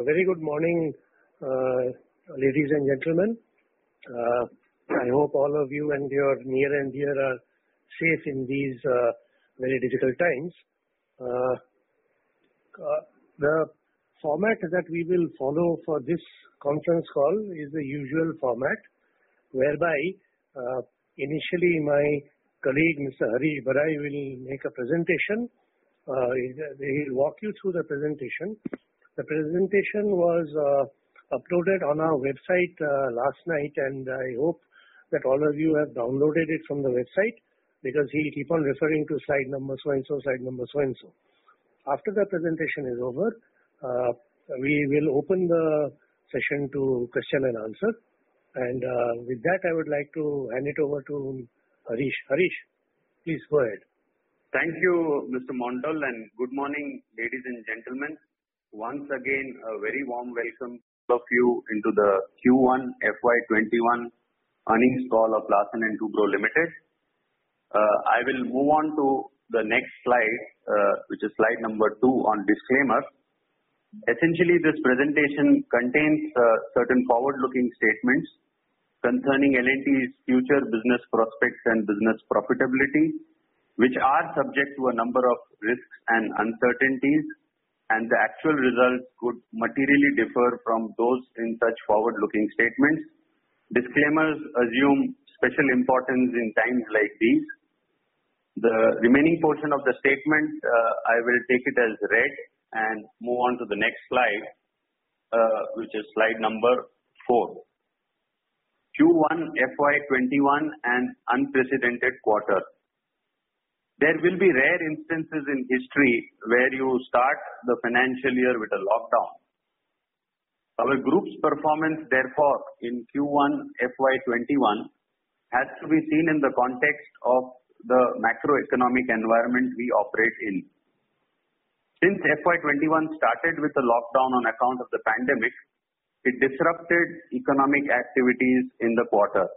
A very good morning, ladies and gentlemen. I hope all of you and your near and dear are safe in these very difficult times. The format that we will follow for this conference call is the usual format, whereby initially my colleague, Mr. Harish Barai, will make a presentation. He'll walk you through the presentation. The presentation was uploaded on our website last night. I hope that all of you have downloaded it from the website because he'll keep on referring to slide number so and so, slide number so and so. After the presentation is over, we will open the session to question and answer. With that, I would like to hand it over to Harish. Harish, please go ahead. Thank you, Mr. Mondal. Good morning, ladies and gentlemen. Once again, a very warm welcome to all of you into the Q1 FY 2021 earnings call of Larsen & Toubro Limited. I will move on to the next slide, which is slide number two on disclaimer. Essentially, this presentation contains certain forward-looking statements concerning L&T's future business prospects and business profitability, which are subject to a number of risks and uncertainties, and the actual results could materially differ from those in such forward-looking statements. Disclaimers assume special importance in times like these. The remaining portion of the statement, I will take it as read and move on to the next slide, which is slide number four. Q1 FY 2021, an unprecedented quarter. There will be rare instances in history where you start the financial year with a lockdown. Our group's performance, therefore, in Q1 FY 2021 has to be seen in the context of the macroeconomic environment we operate in. Since FY 2021 started with a lockdown on account of the pandemic, it disrupted economic activities in the quarter.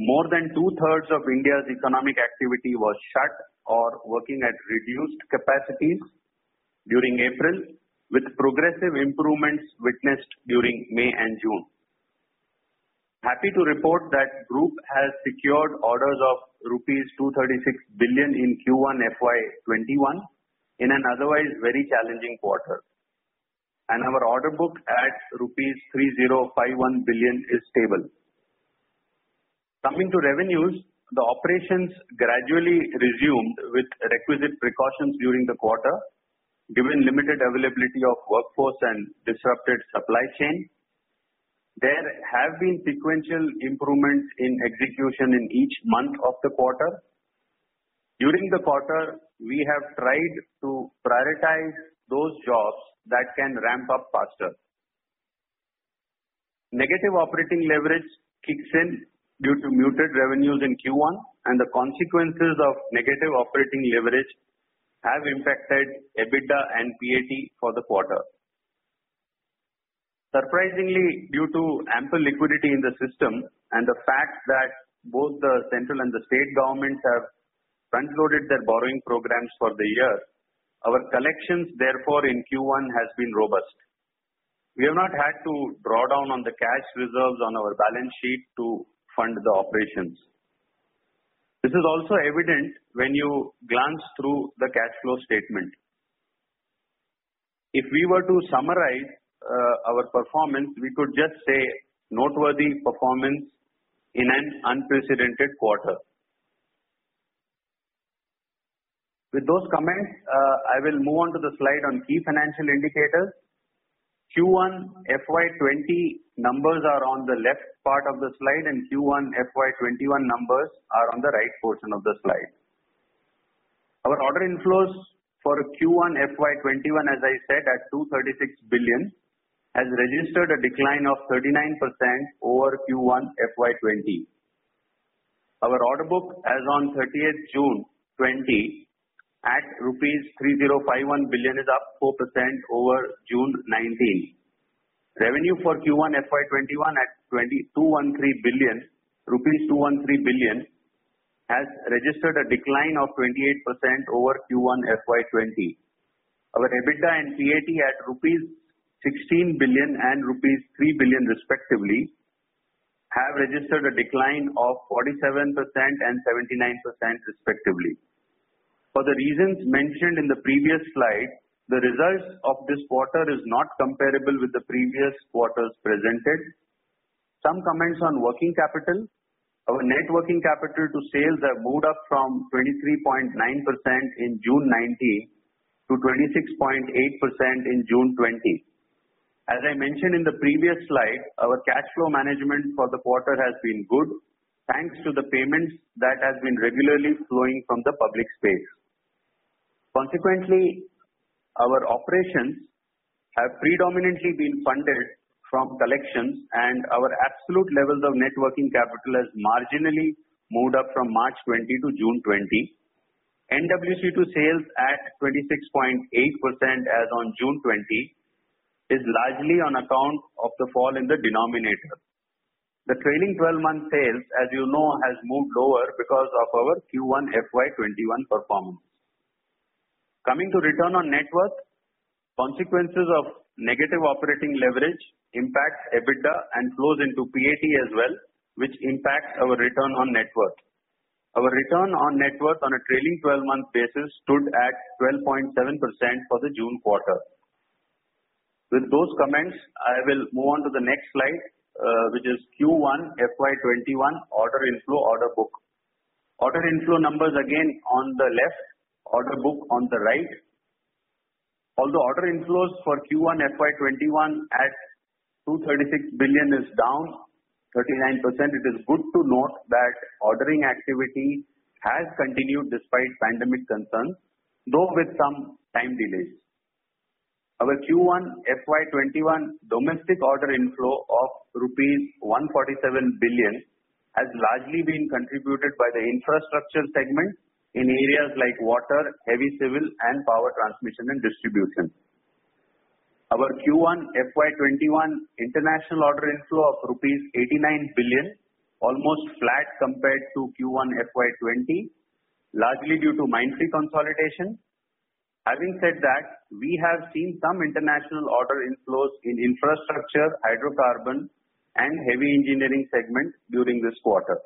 More than two-thirds of India's economic activity was shut or working at reduced capacities during April, with progressive improvements witnessed during May and June. Happy to report that group has secured orders of rupees 236 billion in Q1 FY 2021 in an otherwise very challenging quarter. Our order book at rupees 3,051 billion is stable. Coming to revenues, the operations gradually resumed with requisite precautions during the quarter, given limited availability of workforce and disrupted supply chain. There have been sequential improvements in execution in each month of the quarter. During the quarter, we have tried to prioritize those jobs that can ramp up faster. Negative operating leverage kicks in due to muted revenues in Q1, and the consequences of negative operating leverage have impacted EBITDA and PAT for the quarter. Surprisingly, due to ample liquidity in the system and the fact that both the central and the state governments have front-loaded their borrowing programs for the year, our collections therefore in Q1 has been robust. We have not had to draw down on the cash reserves on our balance sheet to fund the operations. This is also evident when you glance through the cash flow statement. If we were to summarize our performance, we could just say noteworthy performance in an unprecedented quarter. With those comments, I will move on to the slide on key financial indicators. Q1 FY 2020 numbers are on the left part of the slide, and Q1 FY 2021 numbers are on the right portion of the slide. Our order inflows for Q1 FY 2021, as I said, at 236 billion, has registered a decline of 39% over Q1 FY 2020. Our order book as on June 30, 2020 at rupees 3,051 billion is up 4% over June 2019. Revenue for Q1 FY 2021 at rupees 213 billion has registered a decline of 28% over Q1 FY 2020. Our EBITDA and PAT at rupees 16 billion and rupees 3 billion, respectively, have registered a decline of 47% and 79%, respectively. For the reasons mentioned in the previous slide, the results of this quarter is not comparable with the previous quarters presented. Some comments on working capital. Our net working capital to sales have moved up from 23.9% in June 2019 to 26.8% in June 2020. As I mentioned in the previous slide, our cash flow management for the quarter has been good, thanks to the payments that have been regularly flowing from the public space. Consequently, our operations have predominantly been funded from collections, and our absolute levels of net working capital has marginally moved up from March 2020 to June 2020. NWC to sales at 26.8% as on June 2020 is largely on account of the fall in the denominator. The trailing 12-month sales, as you know, has moved lower because of our Q1 FY 2021 performance. Coming to return on net worth, consequences of negative operating leverage impacts EBITDA and flows into PAT as well, which impacts our return on net worth. Our return on net worth on a trailing 12-month basis stood at 12.7% for the June quarter. With those comments, I will move on to the next slide, which is Q1 FY 2021 order inflow, order book. Order inflow numbers again on the left, order book on the right. Order inflows for Q1 FY 2021 at 236 billion is down 39%, it is good to note that ordering activity has continued despite pandemic concerns, though with some time delays. Our Q1 FY 2021 domestic order inflow of rupees 147 billion has largely been contributed by the infrastructure segment in areas like water, heavy civil, and Power Transmission & Distribution. Our Q1 FY 2021 international order inflow of rupees 89 billion almost flat compared to Q1 FY 2020, largely due to Mindtree consolidation. Having said that, we have seen some international order inflows in infrastructure, hydrocarbon, and heavy engineering segments during this quarter.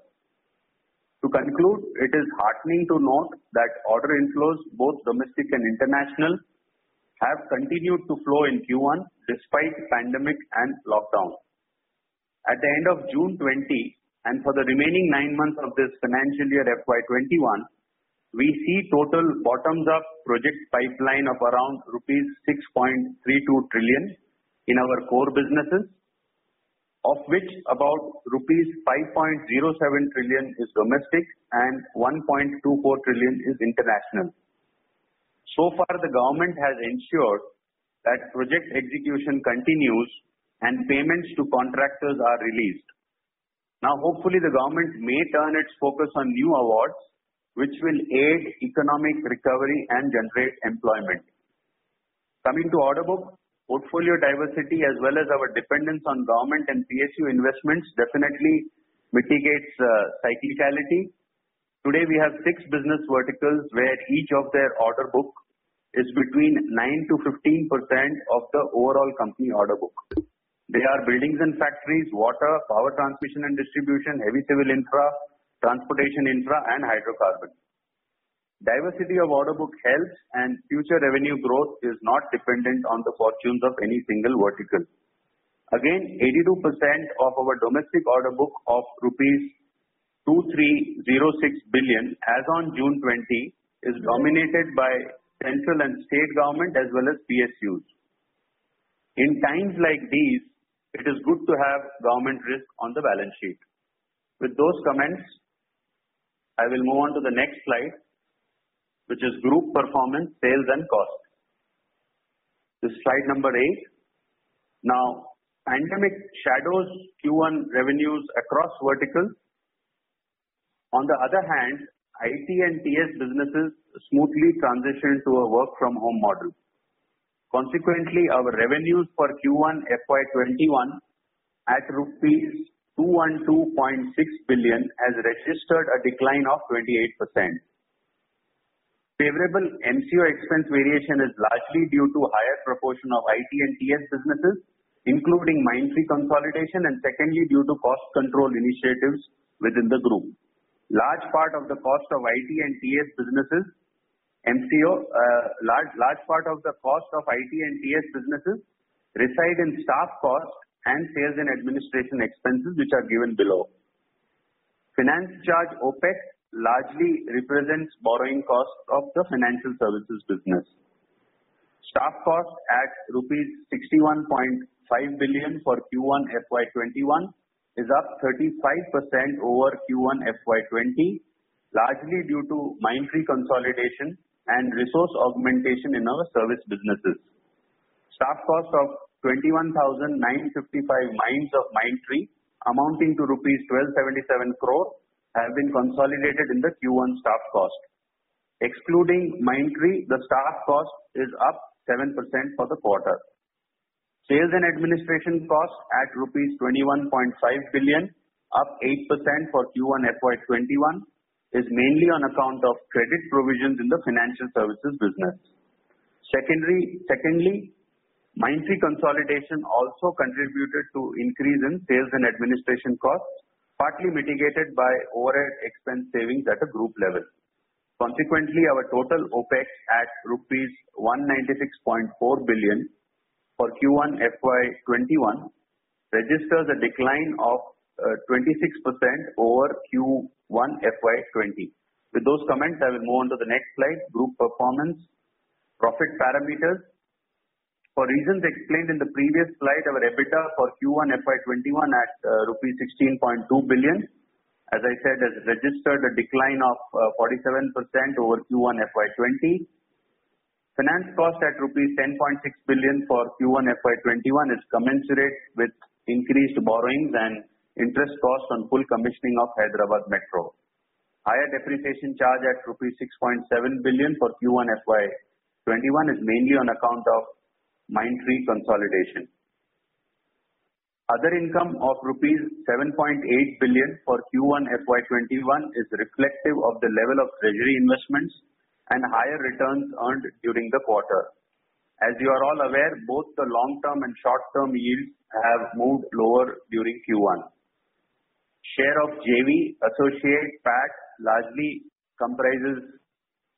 To conclude, it is heartening to note that order inflows, both domestic and international, have continued to flow in Q1 despite pandemic and lockdown. At the end of June 2020, and for the remaining nine months of this financial year, FY 2021, we see total bottom-up project pipeline of around rupees 6.32 trillion in our core businesses, of which about rupees 5.07 trillion is domestic and 1.24 trillion is international. Far, the government has ensured that project execution continues and payments to contractors are released. Hopefully, the government may turn its focus on new awards, which will aid economic recovery and generate employment. Coming to order book, portfolio diversity as well as our dependence on government and PSU investments definitely mitigates cyclicality. Today, we have six business verticals where each of their order book is between 9%-15% of the overall company order book. They are buildings and factories, water, Power Transmission and Distribution, heavy civil infra, transportation infra, and hydrocarbon. Diversity of order book helps and future revenue growth is not dependent on the fortunes of any single vertical. Again, 82% of our domestic order book of rupees 2,306 billion as on June 2020 is dominated by central and state government as well as PSUs. In times like these, it is good to have government risk on the balance sheet. With those comments, I will move on to the next slide, which is group performance, sales, and cost. This is slide number eight. Now pandemic shadows Q1 revenues across verticals. On the other hand, IT and TS businesses smoothly transitioned to a work from home model. Consequently, our revenues for Q1 FY 2021 at rupees 212.6 billion has registered a decline of 28%. Favorable MCO expense variation is largely due to higher proportion of IT and TS businesses, including Mindtree consolidation, and secondly, due to cost control initiatives within the group. Large part of the cost of IT and TS businesses reside in staff cost and sales and administration expenses, which are given below. Finance charge Opex largely represents borrowing costs of the financial services business. Staff cost at rupees 61.5 billion for Q1 FY 2021 is up 35% over Q1 FY 2020, largely due to Mindtree consolidation and resource augmentation in our service businesses. Staff cost of 21,955 minds of Mindtree amounting to rupees 1,277 crore have been consolidated in the Q1 staff cost. Excluding Mindtree, the staff cost is up 7% for the quarter. Sales and administration costs at rupees 21.5 billion, up 8% for Q1 FY 2021 is mainly on account of credit provisions in the financial services business. Secondly, Mindtree consolidation also contributed to increase in sales and administration costs, partly mitigated by overhead expense savings at a group level. Consequently, our total Opex at rupees 196.4 billion for Q1 FY 2021 registers a decline of 26% over Q1 FY 2020. With those comments, I will move on to the next slide. Group performance. Profit parameters. For reasons explained in the previous slide, our EBITDA for Q1 FY 2021 at 16.2 billion, as I said, has registered a decline of 47% over Q1 FY 2020. Finance cost at rupees 10.6 billion for Q1 FY 2021 is commensurate with increased borrowings and interest costs on full commissioning of Hyderabad Metro. Higher depreciation charge at rupees 6.7 billion for Q1 FY 2021 is mainly on account of Mindtree consolidation. Other income of rupees 7.8 billion for Q1 FY 2021 is reflective of the level of treasury investments and higher returns earned during the quarter. As you are all aware, both the long-term and short-term yields have moved lower during Q1. Share of JV associate PAT largely comprises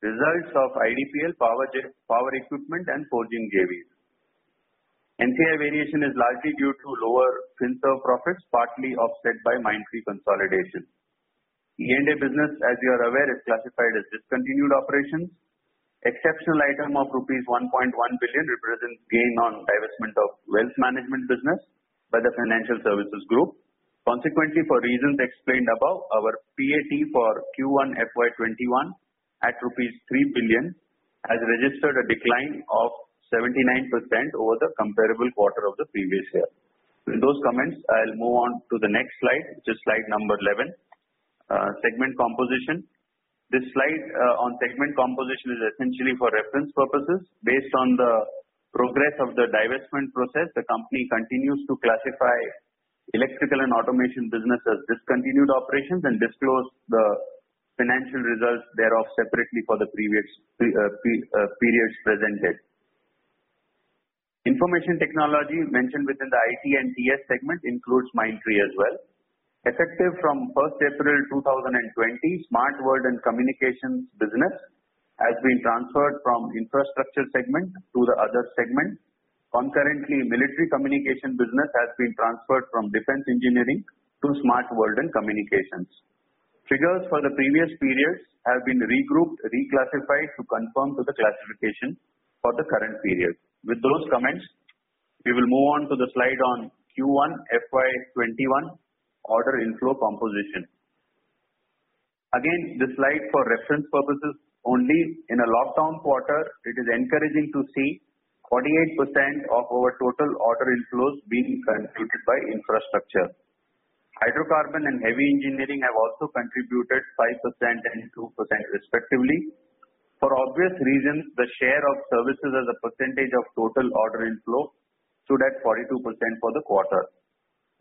results of IDPL Power Equipment and Forging JVs. NCI variation is largely due to lower FinServ profits, partly offset by Mindtree consolidation. E&A business, as you are aware, is classified as discontinued operations. Exceptional item of rupees 1.1 billion represents gain on divestment of wealth management business by the financial services group. Consequently, for reasons explained above, our PAT for Q1 FY 2021, at rupees 3 billion, has registered a decline of 79% over the comparable quarter of the previous year. With those comments, I will move on to the next slide, which is slide number 11, segment composition. This slide on segment composition is essentially for reference purposes. Based on the progress of the divestment process, the company continues to classify Electrical & Automation business as discontinued operations and disclose the financial results thereof separately for the previous periods presented. Information technology mentioned within the IT and TS segment includes Mindtree as well. Effective from 1st April 2020, Smart World and Communications business has been transferred from infrastructure segment to the other segment. Concurrently, military communication business has been transferred from defense engineering to Smart World and Communications. Figures for the previous periods have been regrouped, reclassified to conform to the classification for the current period. With those comments, we will move on to the slide on Q1 FY 2021 order inflow composition. Again, this slide for reference purposes only. In a lockdown quarter, it is encouraging to see 48% of our total order inflows being contributed by infrastructure. Hydrocarbon and heavy engineering have also contributed 5% and 2% respectively. For obvious reasons, the share of services as a percentage of total order inflow stood at 42% for the quarter.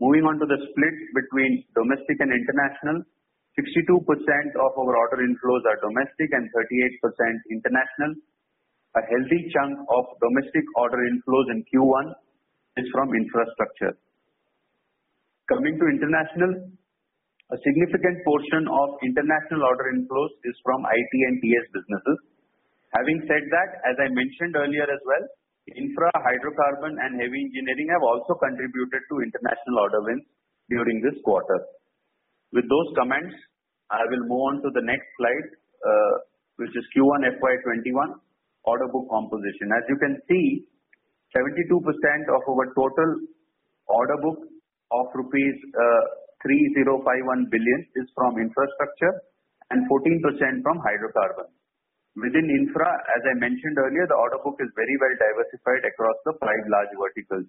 Moving on to the split between domestic and international, 62% of our order inflows are domestic and 38% international. A healthy chunk of domestic order inflows in Q1 is from infrastructure. Coming to international, a significant portion of international order inflows is from IT and TS businesses. Having said that, as I mentioned earlier as well, infra hydrocarbon and heavy engineering have also contributed to international order wins during this quarter. With those comments, I will move on to the next slide, which is Q1 FY 2021 order book composition. As you can see, 72% of our total order book of rupees 3,051 billion is from infrastructure and 14% from hydrocarbon. Within infra, as I mentioned earlier, the order book is very well diversified across the five large verticals.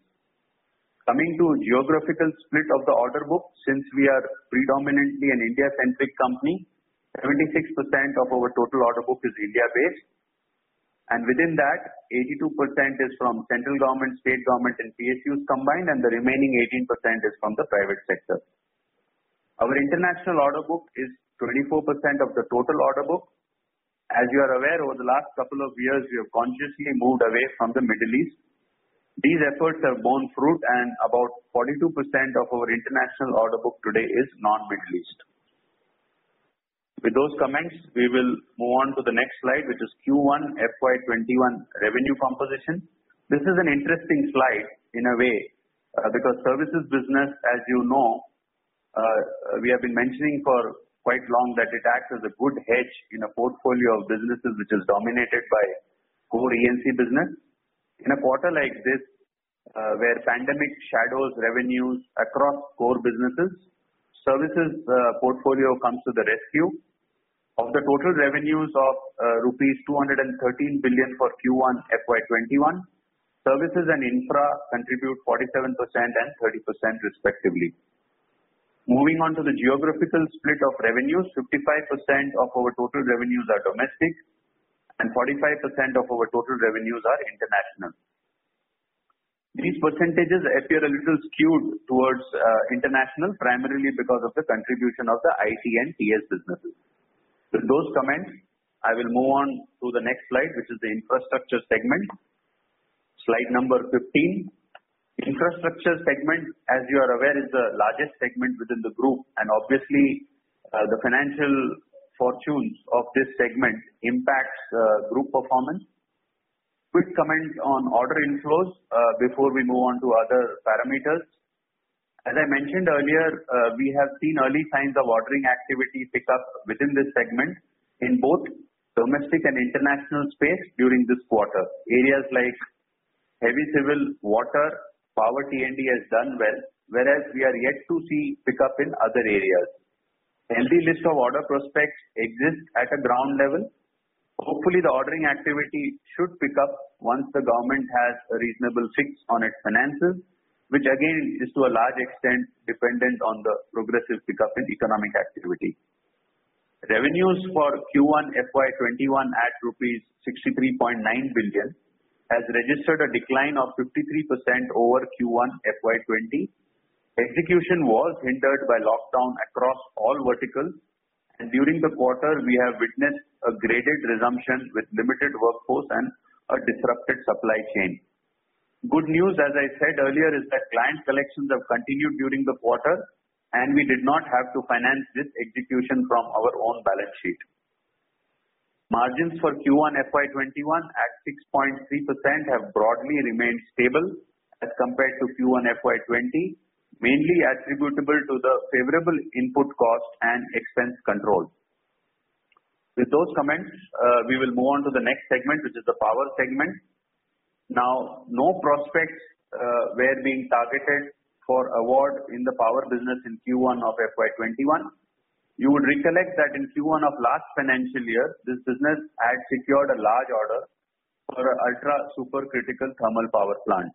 Coming to geographical split of the order book, since we are predominantly an India-centric company, 76% of our total order book is India-based, and within that, 82% is from central government, state government, and PSUs combined, and the remaining 18% is from the private sector. Our international order book is 24% of the total order book. As you are aware, over the last couple of years, we have consciously moved away from the Middle East. These efforts have borne fruit, and about 42% of our international order book today is non-Middle East. With those comments, we will move on to the next slide, which is Q1 FY 2021 revenue composition. This is an interesting slide in a way because services business, as you know, we have been mentioning for quite long that it acts as a good hedge in a portfolio of businesses which is dominated by core E&C business. In a quarter like this, where pandemic shadows revenues across core businesses, services portfolio comes to the rescue. Of the total revenues of rupees 213 billion for Q1 FY 2021, services and infra contribute 47% and 30% respectively. Moving on to the geographical split of revenues, 55% of our total revenues are domestic and 45% of our total revenues are international. These percentages appear a little skewed towards international, primarily because of the contribution of the IT and TS businesses. With those comments, I will move on to the next slide, which is the infrastructure segment. Slide number 15. Infrastructure segment, as you are aware, is the largest segment within the group, and obviously, the financial fortunes of this segment impacts group performance. Quick comment on order inflows before we move on to other parameters. As I mentioned earlier, we have seen early signs of ordering activity pick up within this segment in both domestic and international space during this quarter. Areas like heavy civil, water, Power T&D has done well, whereas we are yet to see pick up in other areas. Healthy list of order prospects exists at a ground level. Hopefully, the ordering activity should pick up once the government has a reasonable fix on its finances, which again is to a large extent dependent on the progressive pickup in economic activity. Revenues for Q1 FY 2021 at rupees 63.9 billion has registered a decline of 53% over Q1 FY 2020. Execution was hindered by lockdown across all verticals, and during the quarter, we have witnessed a graded resumption with limited workforce and a disrupted supply chain. Good news, as I said earlier, is that client collections have continued during the quarter, and we did not have to finance this execution from our own balance sheet. Margins for Q1 FY 2021 at 6.3% have broadly remained stable as compared to Q1 FY 2020, mainly attributable to the favorable input cost and expense controls. With those comments, we will move on to the next segment, which is the power segment. Now, no prospects were being targeted for award in the power business in Q1 of FY 2021. You will recollect that in Q1 of last financial year, this business had secured a large order for a ultra-supercritical thermal power plant.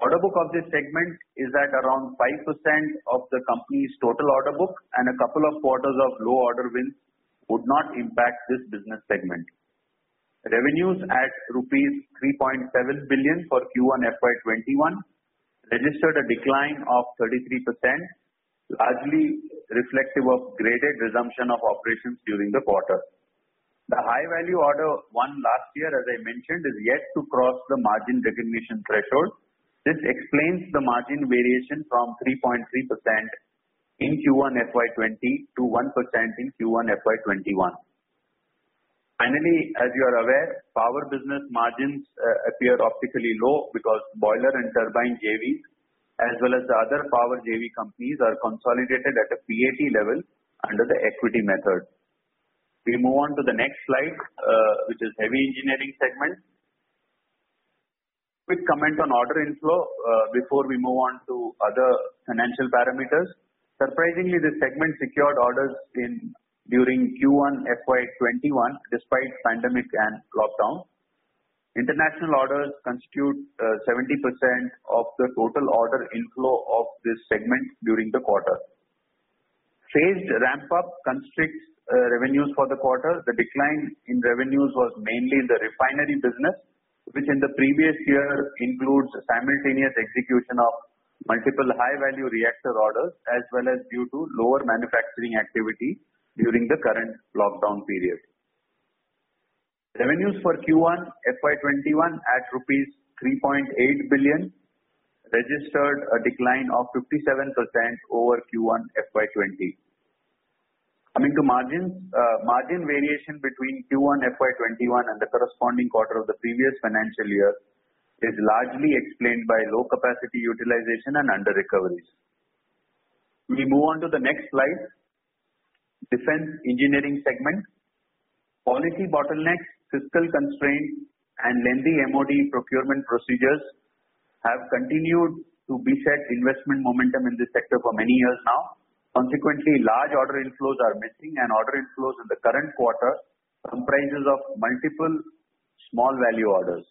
Order book of this segment is at around 5% of the company's total order book, and a couple of quarters of low order wins would not impact this business segment. Revenues at rupees 3.7 billion for Q1 FY 2021 registered a decline of 33%, largely reflective of graded resumption of operations during the quarter. The high-value order won last year, as I mentioned, is yet to cross the margin recognition threshold. This explains the margin variation from 3.3% in Q1 FY 2020 to 1% in Q1 FY 2021. Finally, as you are aware, power business margins appear optically low because boiler and turbine JVs, as well as the other power JV companies, are consolidated at a PAT level under the equity method. We move on to the next slide, which is heavy engineering segment. Quick comment on order inflow before we move on to other financial parameters. Surprisingly, this segment secured orders during Q1 FY 2021 despite pandemic and lockdown. International orders constitute 70% of the total order inflow of this segment during the quarter. Phased ramp-up constricts revenues for the quarter. The decline in revenues was mainly in the refinery business, which in the previous year includes simultaneous execution of multiple high-value reactor orders as well as due to lower manufacturing activity during the current lockdown period. Revenues for Q1 FY 2021 at rupees 3.8 billion registered a decline of 57% over Q1 FY 2020. Coming to margins, margin variation between Q1 FY 2021 and the corresponding quarter of the previous financial year is largely explained by low capacity utilization and under-recoveries. We move on to the next slide, defense engineering segment. Policy bottlenecks, fiscal constraints, and lengthy MOD procurement procedures have continued to beset investment momentum in this sector for many years now. Consequently, large order inflows are missing, and order inflows in the current quarter comprises of multiple small-value orders.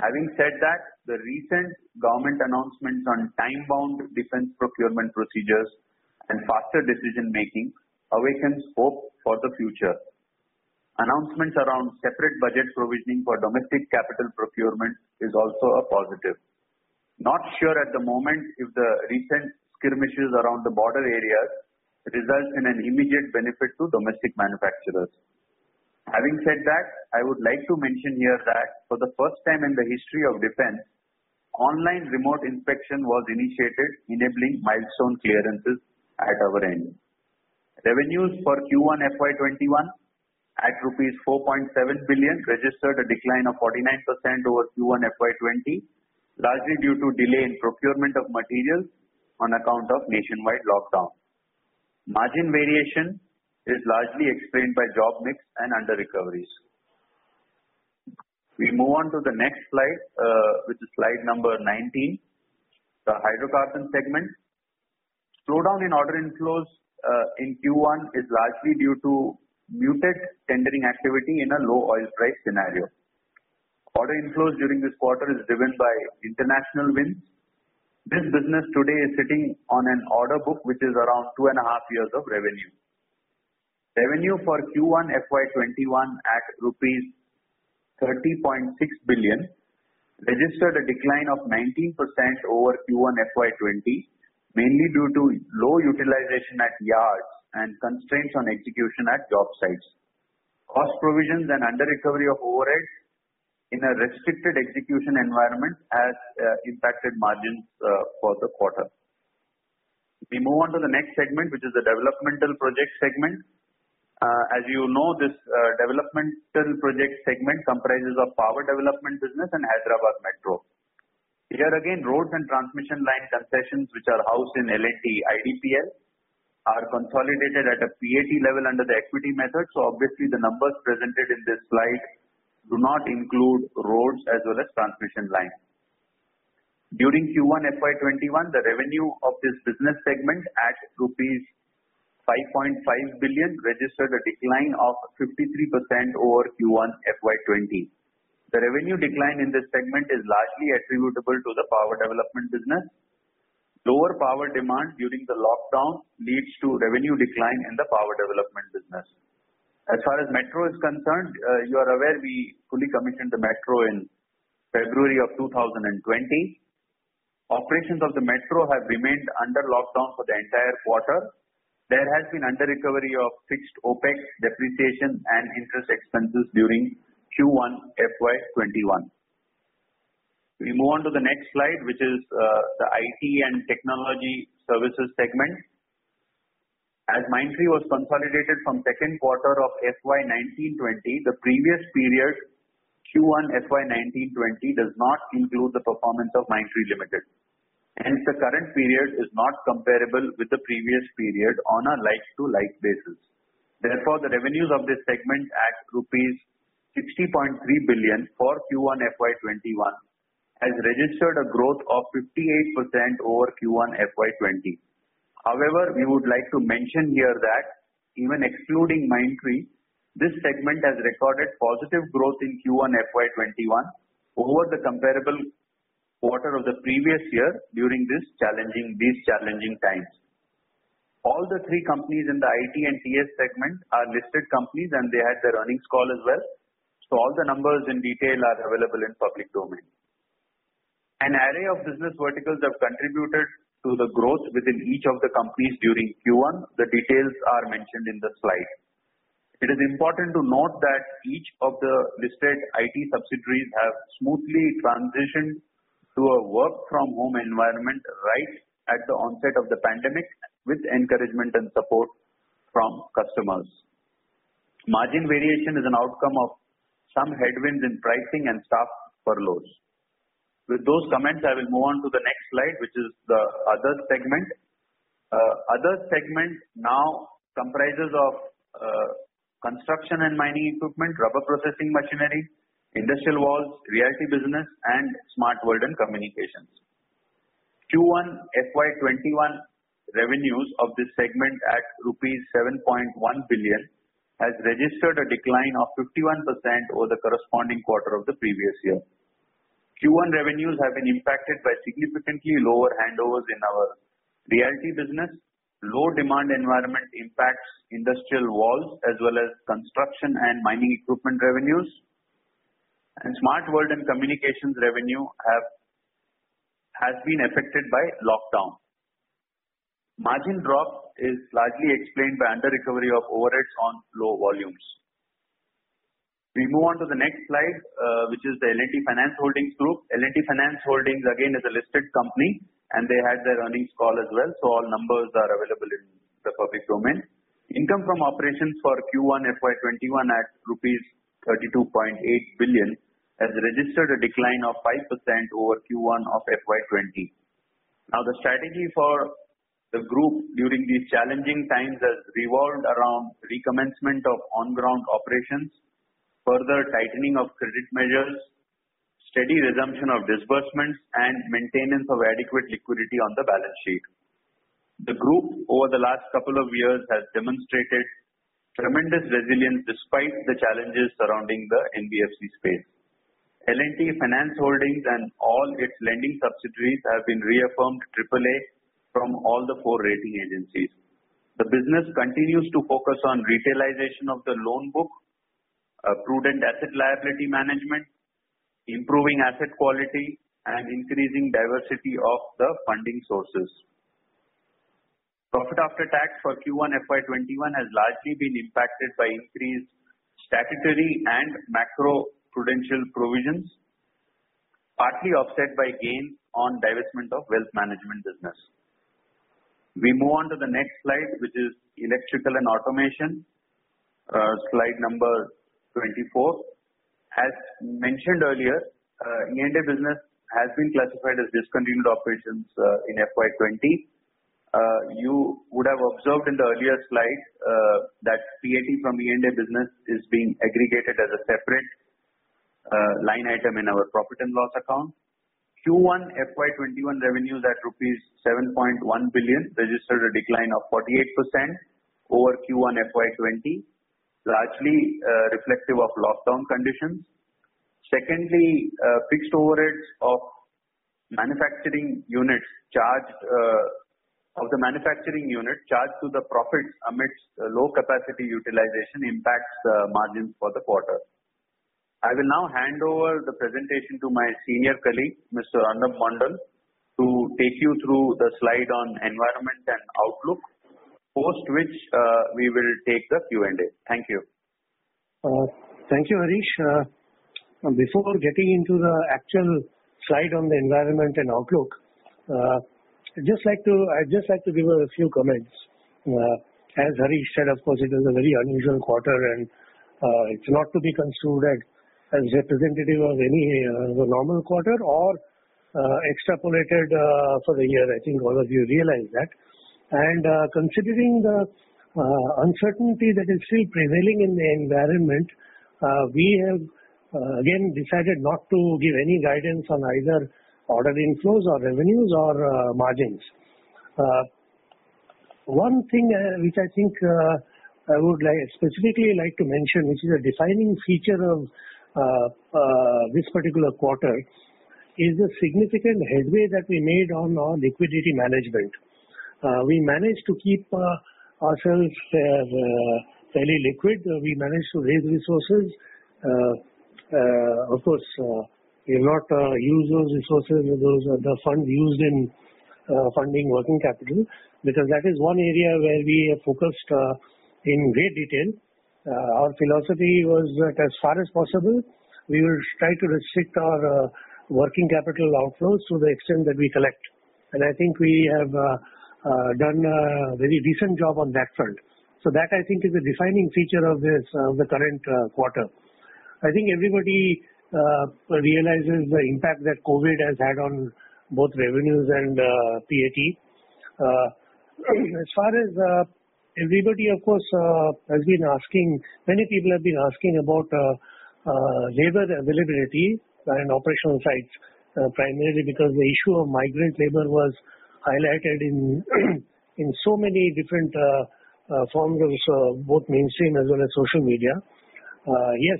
Having said that, the recent government announcements on time-bound defense procurement procedures and faster decision-making awakens hope for the future. Announcements around separate budget provisioning for domestic capital procurement is also a positive. Not sure at the moment if the recent skirmishes around the border areas results in an immediate benefit to domestic manufacturers. Having said that, I would like to mention here that for the first time in the history of defense, online remote inspection was initiated enabling milestone clearances at our end. Revenues for Q1 FY 2021 at rupees 4.7 billion registered a decline of 49% over Q1 FY 2020, largely due to delay in procurement of materials on account of nationwide lockdown. Margin variation is largely explained by job mix and under-recoveries. We move on to the next slide, which is slide 19, the hydrocarbon segment. Slowdown in order inflows in Q1 is largely due to muted tendering activity in a low oil price scenario. Order inflows during this quarter is driven by international wins. This business today is sitting on an order book, which is around two and a half years of revenue. Revenue for Q1 FY 2021 at rupees 30.6 billion registered a decline of 19% over Q1 FY 2020, mainly due to low utilization at yards and constraints on execution at job sites. Cost provisions and under-recovery of overheads in a restricted execution environment has impacted margins for the quarter. We move on to the next segment, which is the developmental project segment. As you know, this developmental project segment comprises of power development business and Hyderabad Metro. Here again, roads and transmission line concessions, which are housed in L&T IDPL, are consolidated at a PAT level under the equity method. Obviously, the numbers presented in this slide do not include roads as well as transmission lines. During Q1 FY 2021, the revenue of this business segment at rupees 5.5 billion registered a decline of 53% over Q1 FY 2020. The revenue decline in this segment is largely attributable to the power development business. Lower power demand during the lockdown leads to revenue decline in the power development business. As far as Metro is concerned, you are aware we fully commissioned the Metro in February of 2020. Operations of the Metro have remained under lockdown for the entire quarter. There has been under-recovery of fixed Opex depreciation and interest expenses during Q1 FY 2021. We move on to the next slide, which is the IT and technology services segment. As Mindtree was consolidated from second quarter of FY 2019/2020, the previous period Q1 FY 2019/2020 does not include the performance of Mindtree Limited. Hence, the current period is not comparable with the previous period on a like-to-like basis. Therefore, the revenues of this segment at rupees 60.3 billion for Q1 FY 2021 has registered a growth of 58% over Q1 FY 2020. However, we would like to mention here that even excluding Mindtree, this segment has recorded positive growth in Q1 FY 2021 over the comparable quarter of the previous year during these challenging times. All the three companies in the IT and TS segment are listed companies, and they had their earnings call as well. All the numbers in detail are available in public domain. An array of business verticals have contributed to the growth within each of the companies during Q1. The details are mentioned in the slide. It is important to note that each of the listed IT subsidiaries have smoothly transitioned to a work-from-home environment right at the onset of the pandemic with encouragement and support from customers. Margin variation is an outcome of some headwinds in pricing and staff furloughs. With those comments, I will move on to the next slide, which is the other segment. Other segment now comprises of construction and mining equipment, rubber processing machinery, industrial valves, realty business, and Smart World and Communications. Q1 FY 2021 revenues of this segment at rupees 7.1 billion has registered a decline of 51% over the corresponding quarter of the previous year. Q1 revenues have been impacted by significantly lower handovers in our realty business. Low demand environment impacts industrial valves as well as construction and mining equipment revenues. Smart World and Communications revenue has been affected by lockdown. Margin drop is largely explained by under-recovery of overheads on low volumes. We move on to the next slide, which is the L&T Finance Holdings group. L&T Finance Holdings again is a listed company, and they had their earnings call as well. All numbers are available in the public domain. Income from operations for Q1 FY 2021 at rupees 32.8 billion has registered a decline of 5% over Q1 of FY 2020. The strategy for the group during these challenging times has revolved around recommencement of on-ground operations, further tightening of credit measures, steady resumption of disbursements, and maintenance of adequate liquidity on the balance sheet. The group over the last couple of years has demonstrated tremendous resilience despite the challenges surrounding the NBFC space. L&T Finance Holdings and all its lending subsidiaries have been reaffirmed triple A from all the four rating agencies. The business continues to focus on retailization of the loan book, prudent asset liability management, improving asset quality, and increasing diversity of the funding sources. Profit after tax for Q1 FY 2021 has largely been impacted by increased statutory and macro-prudential provisions, partly offset by gains on divestment of wealth management business. We move on to the next slide, which is Electrical & Automation, slide number 24. As mentioned earlier, E&A business has been classified as discontinued operations in FY 2020. You would have observed in the earlier slide that PAT from E&A business is being aggregated as a separate line item in our profit and loss account. Q1 FY 2021 revenues at rupees 7.1 billion registered a decline of 48% over Q1 FY 2020, largely reflective of lockdown conditions. Secondly, fixed overheads of the manufacturing unit charged to the profits amidst low capacity utilization impacts the margins for the quarter. I will now hand over the presentation to my senior colleague, Mr. Arnob Mondal, to take you through the slide on environment and outlook, post which we will take the Q&A. Thank you. Thank you, Harish. Before getting into the actual slide on the environment and outlook, I'd just like to give a few comments. As Harish said, of course, it is a very unusual quarter, and it's not to be construed as representative of any of the normal quarter or extrapolated for the year. I think all of you realize that. Considering the uncertainty that is still prevailing in the environment, we have again decided not to give any guidance on either order inflows or revenues or margins. One thing which I think I would specifically like to mention, which is a defining feature of this particular quarter, is the significant headway that we made on our liquidity management. We managed to keep ourselves fairly liquid. We managed to raise resources. We have not used those resources, those are the funds used in funding working capital, because that is one area where we have focused in great detail. Our philosophy was that as far as possible, we will try to restrict our working capital outflows to the extent that we collect. I think we have done a very decent job on that front. That, I think, is a defining feature of the current quarter. I think everybody realizes the impact that COVID has had on both revenues and PAT. As far as everybody, of course, many people have been asking about labor availability and operational sites, primarily because the issue of migrant labor was highlighted in so many different forms of both mainstream as well as social media. Yes,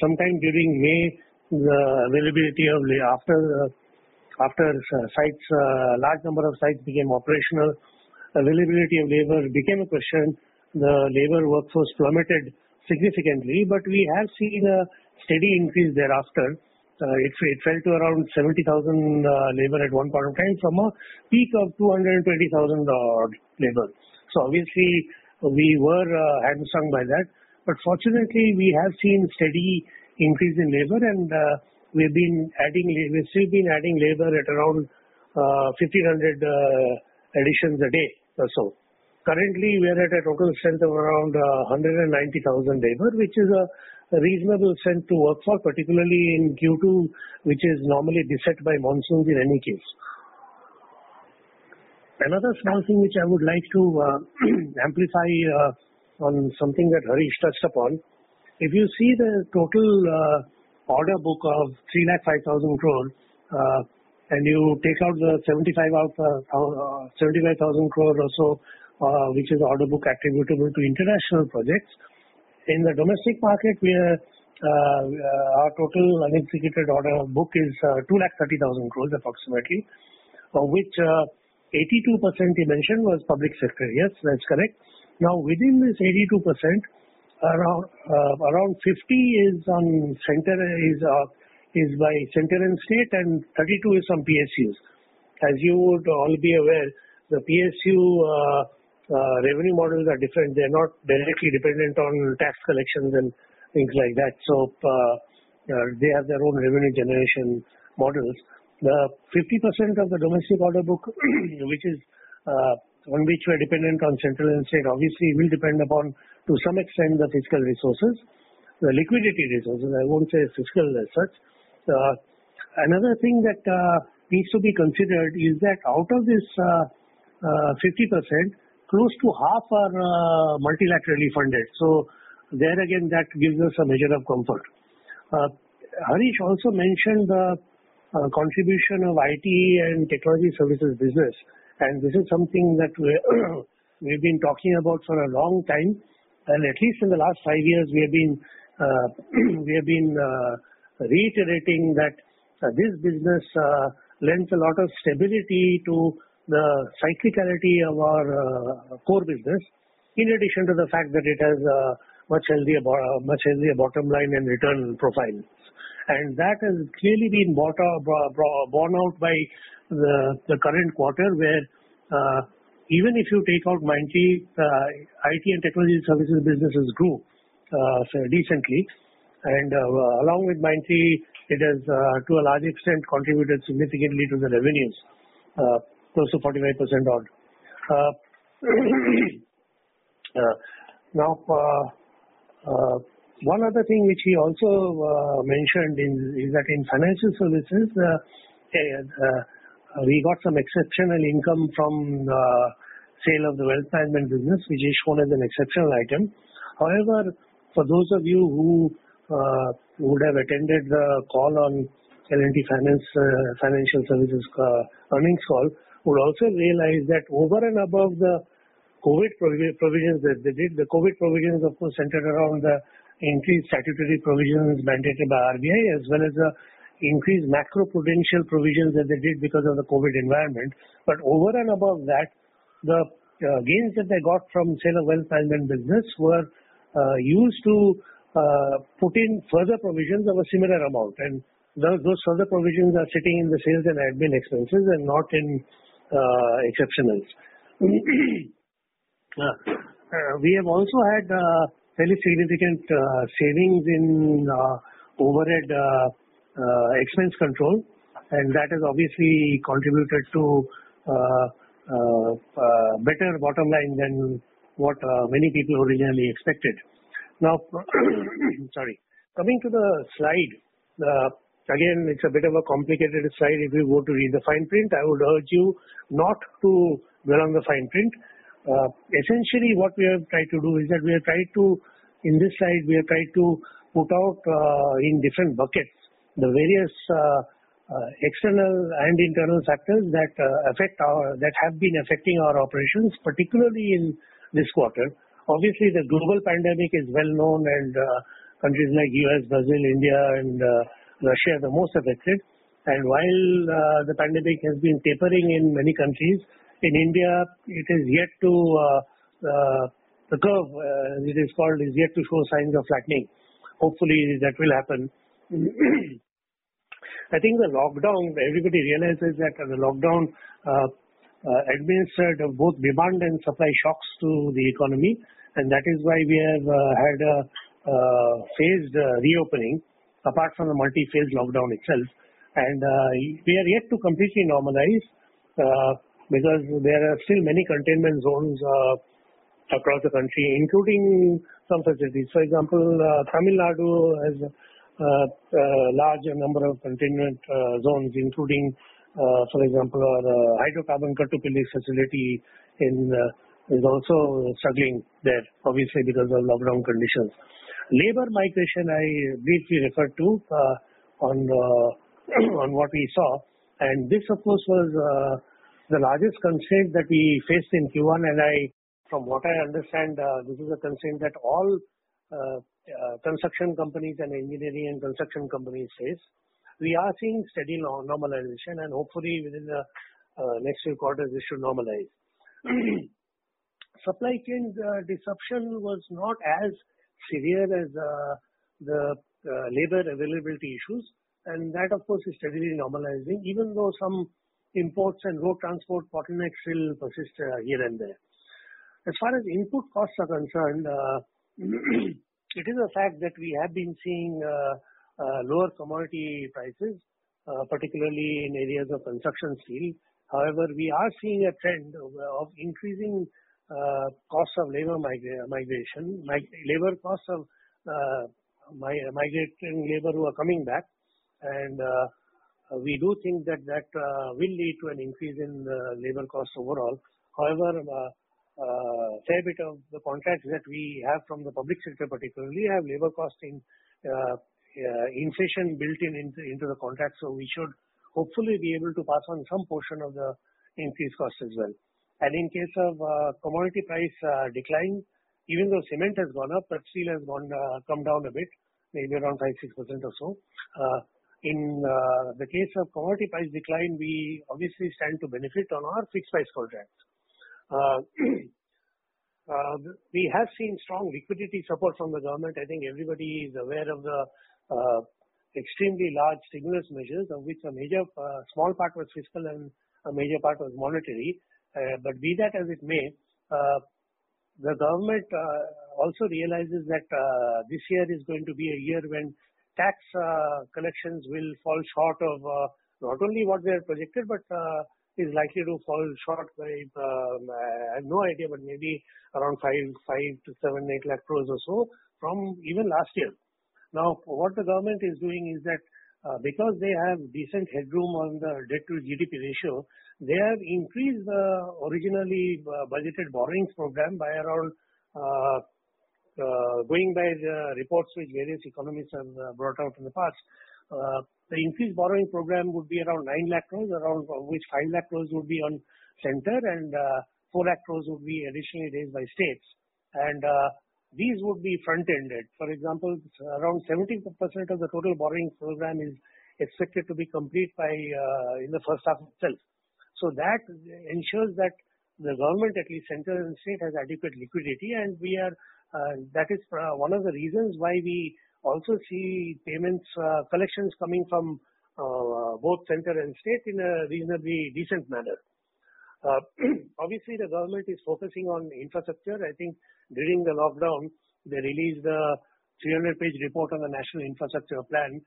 sometime during May, after a large number of sites became operational, availability of labor became a question. The labor workforce plummeted significantly. We have seen a steady increase thereafter. It fell to around 70,000 labor at one point in time from a peak of 220,000 odd labor. Obviously, we were hamstrung by that. Fortunately, we have seen steady increase in labor and we've still been adding labor at around 1,500 additions a day or so. Currently, we're at a total strength of around 190,000 labor, which is a reasonable strength to work for, particularly in Q2, which is normally beset by monsoons in any case. Another small thing which I would like to amplify on something that Harish touched upon. If you see the total order book of 305,000 crores, and you take out the 75,000 crores or so which is order book attributable to international projects. In the domestic market, our total unexecuted order book is 230,000 crore approximately, of which 82% he mentioned was public sector. Yes, that's correct. Within this 82%, around 50% is by central and state, and 32% is from PSUs. As you would all be aware, the PSU revenue models are different. They're not directly dependent on tax collections and things like that. They have their own revenue generation models. The 50% of the domestic order book on which we're dependent on central and state, obviously will depend upon, to some extent, the fiscal resources. The liquidity resources, I won't say fiscal as such. Another thing that needs to be considered is that out of this 50%, close to half are multilaterally funded. There again, that gives us a measure of comfort. Harish also mentioned the contribution of IT and technology services business. This is something that we've been talking about for a long time. At least in the last five years, we have been reiterating that this business lends a lot of stability to the cyclicality of our core business, in addition to the fact that it has a much healthier bottom line and return profile. That has clearly been borne out by the current quarter, where even if you take out Mindtree, IT and technology services businesses grew decently. Along with Mindtree, it has to a large extent contributed significantly to the revenues, close to 45% odd. One other thing which he also mentioned is that in financial services, we got some exceptional income from the sale of the wealth management business, which is shown as an exceptional item. However, for those of you who would have attended the call on L&T Finance Holdings earnings call would also realize that over and above the COVID provisions that they did, the COVID provisions, of course, centered around the increased statutory provisions mandated by RBI as well as the increased macro-prudential provisions that they did because of the COVID environment. Over and above that, the gains that they got from sale of wealth management business were used to put in further provisions of a similar amount, and those further provisions are sitting in the sales and admin expenses and not in exceptionals. We have also had fairly significant savings in overhead expense control, and that has obviously contributed to a better bottom line than what many people originally expected. Now sorry. Coming to the slide. Again, it's a bit of a complicated slide if you were to read the fine print. I would urge you not to read on the fine print. Essentially what we have tried to do is that in this slide, we have tried to put out in different buckets the various external and internal factors that have been affecting our operations, particularly in this quarter. Obviously, the global pandemic is well known and countries like U.S., Brazil, India, and Russia are the most affected. While the pandemic has been tapering in many countries, in India, the curve, as it is called, is yet to show signs of flattening. Hopefully, that will happen. I think everybody realizes that the lockdown administered both demand and supply shocks to the economy, and that is why we have had a phased reopening, apart from the multi-phase lockdown itself. We are yet to completely normalize because there are still many containment zones across the country, including some such as this. For example, Tamil Nadu has a large number of containment zones, including, for example, our Hydrocarbon Kattupalli facility is also struggling there, obviously because of lockdown conditions. Labor migration I briefly referred to on what we saw, this of course, was the largest constraint that we faced in Q1. From what I understand, this is a constraint that all construction companies and engineering and construction companies face. We are seeing steady normalization and hopefully within the next few quarters this should normalize. Supply chain disruption was not as severe as the labor availability issues, that of course is steadily normalizing, even though some imports and road transport bottlenecks still persist here and there. As far as input costs are concerned, it is a fact that we have been seeing lower commodity prices, particularly in areas of construction steel. However, we are seeing a trend of increasing costs of labor migration, labor costs of migrating labor who are coming back. We do think that will lead to an increase in labor costs overall. However, fair bit of the contracts that we have from the public sector particularly have labor cost inflation built in into the contract. We should hopefully be able to pass on some portion of the increased cost as well. In case of commodity price decline, even though cement has gone up, but steel has come down a bit, maybe around 5%, 6% or so. In the case of commodity price decline, we obviously stand to benefit on our fixed price contracts. We have seen strong liquidity support from the government. I think everybody is aware of the extremely large stimulus measures, of which a small part was fiscal and a major part was monetary. Be that as it may, the government also realizes that this year is going to be a year when tax collections will fall short of not only what we had projected, but is likely to fall short by, I have no idea, but maybe around 5 to 7, 8 lakh crores or so from even last year. What the government is doing is that because they have decent headroom on the debt to GDP ratio, they have increased the originally budgeted borrowings program by around, going by the reports which various economists have brought out in the past. The increased borrowing program would be around 9 lakh crore, of which 5 lakh crore would be on center and 4 lakh crore would be additionally raised by states. These would be front-ended. For example, around 70% of the total borrowing program is expected to be complete in the first half itself. That ensures that the government, at least center and state, has adequate liquidity, and that is one of the reasons why we also see payments collections coming from both center and state in a reasonably decent manner. Obviously, the government is focusing on infrastructure. I think during the lockdown, they released a 300-page report on the National Infrastructure Pipeline,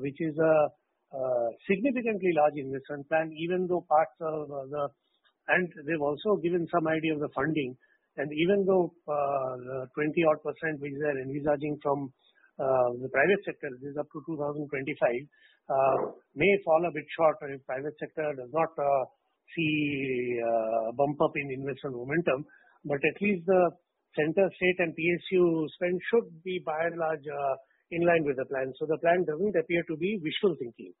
which is a significantly large investment plan. They've also given some idea of the funding. Even though the 20-odd% which they're envisaging from the private sector, this is up to 2025, may fall a bit short if private sector does not see a bump up in investment momentum, but at least the center, state, and PSU spend should be by and large in line with the plan. The plan doesn't appear to be wishful thinking.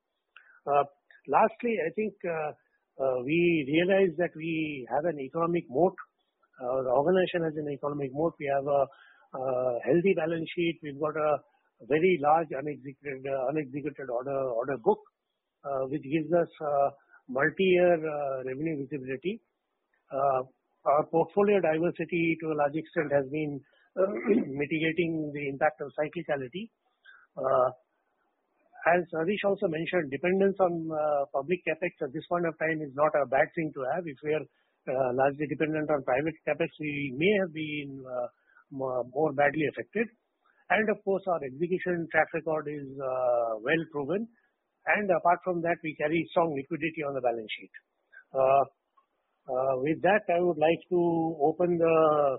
Lastly, I think we realize that we have an economic moat. Our organization has an economic moat. We have a healthy balance sheet. We've got a very large unexecuted order book, which gives us multi-year revenue visibility. Our portfolio diversity to a large extent has been mitigating the impact of cyclicality. As Harish also mentioned, dependence on public CapEx at this point of time is not a bad thing to have. If we are largely dependent on private CapEx, we may have been more badly affected. Of course, our execution track record is well proven, and apart from that, we carry strong liquidity on the balance sheet. With that, I would like to open the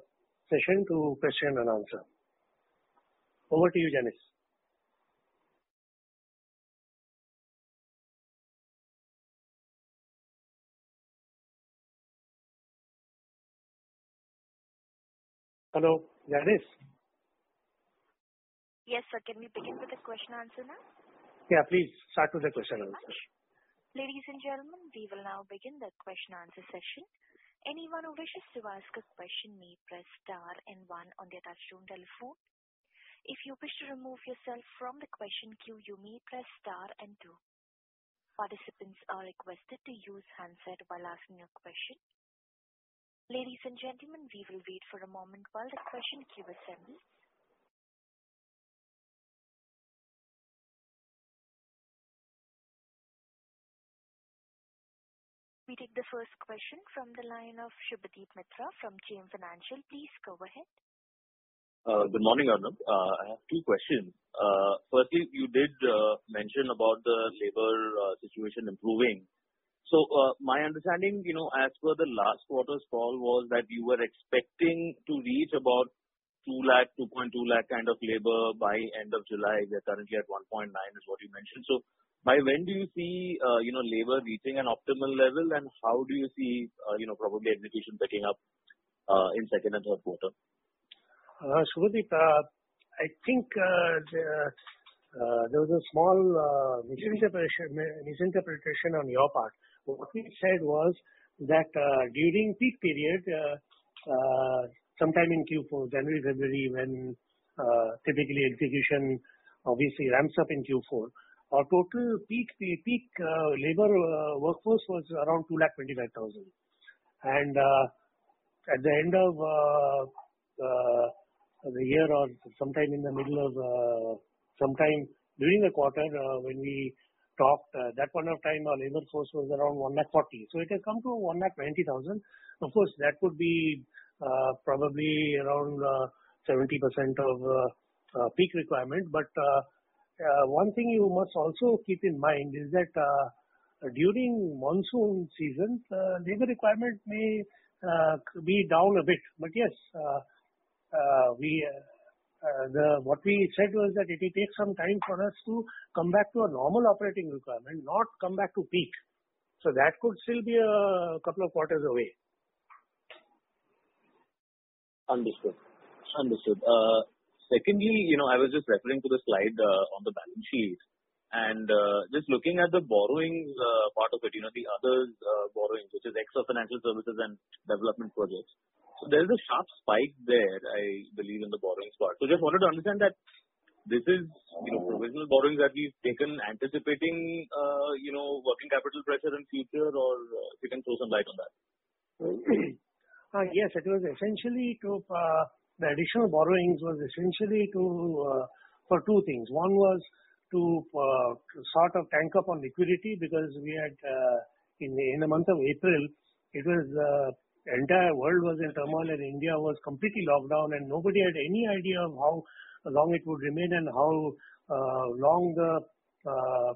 session to question and answer. Over to you, Janice. Hello, Janice? Yes, sir. Can we begin with the question and answer now? Yeah, please. Start with the question and answer. Ladies and gentlemen, we will now begin the question and answer session. Anyone who wishes to ask a question may press star and one on their touchtone telephone. If you wish to remove yourself from the question queue, you may press star and two. Participants are requested to use handset while asking a question. Ladies and gentlemen, we will wait for a moment while the question queue assembles. We take the first question from the line of Subhadip Mitra from JM Financial. Please go ahead. Good morning, Arnob. I have two questions. Firstly, you did mention about the labor situation improving. My understanding, as per the last quarter's call, was that you were expecting to reach about 200,000, 220,000 kind of labor by end of July. We are currently at 190,000, is what you mentioned. By when do you see labor reaching an optimal level, and how do you see probably execution picking up in second and third quarter? Subhadip, I think there was a small misinterpretation on your part. What we said was that during peak period, sometime in Q4, January, February, when typically execution obviously ramps up in Q4. Our total peak labor workforce was around 225,000. At the end of the year or sometime during the quarter when we talked, at that point of time, our labor force was around 140,000. It has come to 190,000. Of course, that would be probably around 70% of peak requirement. One thing you must also keep in mind is that during monsoon season, labor requirement may be down a bit. Yes, what we said was that it will take some time for us to come back to a normal operating requirement, not come back to peak. That could still be a couple of quarters away. Understood. Secondly, I was just referring to the slide on the balance sheet. Just looking at the borrowings part of it, the others borrowings, which is ex of financial services and development projects. There is a sharp spike there, I believe, in the borrowings part. Just wanted to understand that this is provisional borrowings that we've taken anticipating working capital pressure in future, or if you can throw some light on that. Yes. The additional borrowings was essentially for two things. One was to sort of tank up on liquidity because in the month of April, the entire world was in turmoil and India was completely locked down, and nobody had any idea of how long it would remain and how long the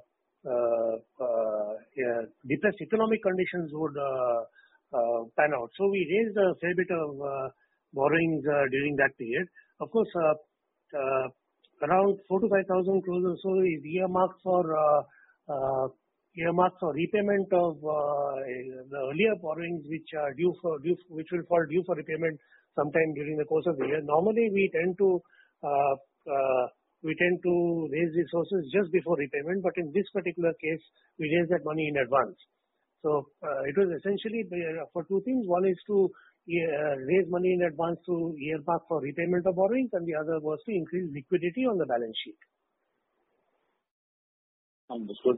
depressed economic conditions would pan out. We raised a fair bit of borrowings during that period. Of course, around 4,000 crore to 5,000 crore or so is earmarked for repayment of the earlier borrowings which will fall due for repayment sometime during the course of the year. Normally, we tend to raise resources just before repayment. In this particular case, we raised that money in advance. It was essentially for two things. One is to raise money in advance to earmark for repayment of borrowings, and the other was to increase liquidity on the balance sheet. Understood.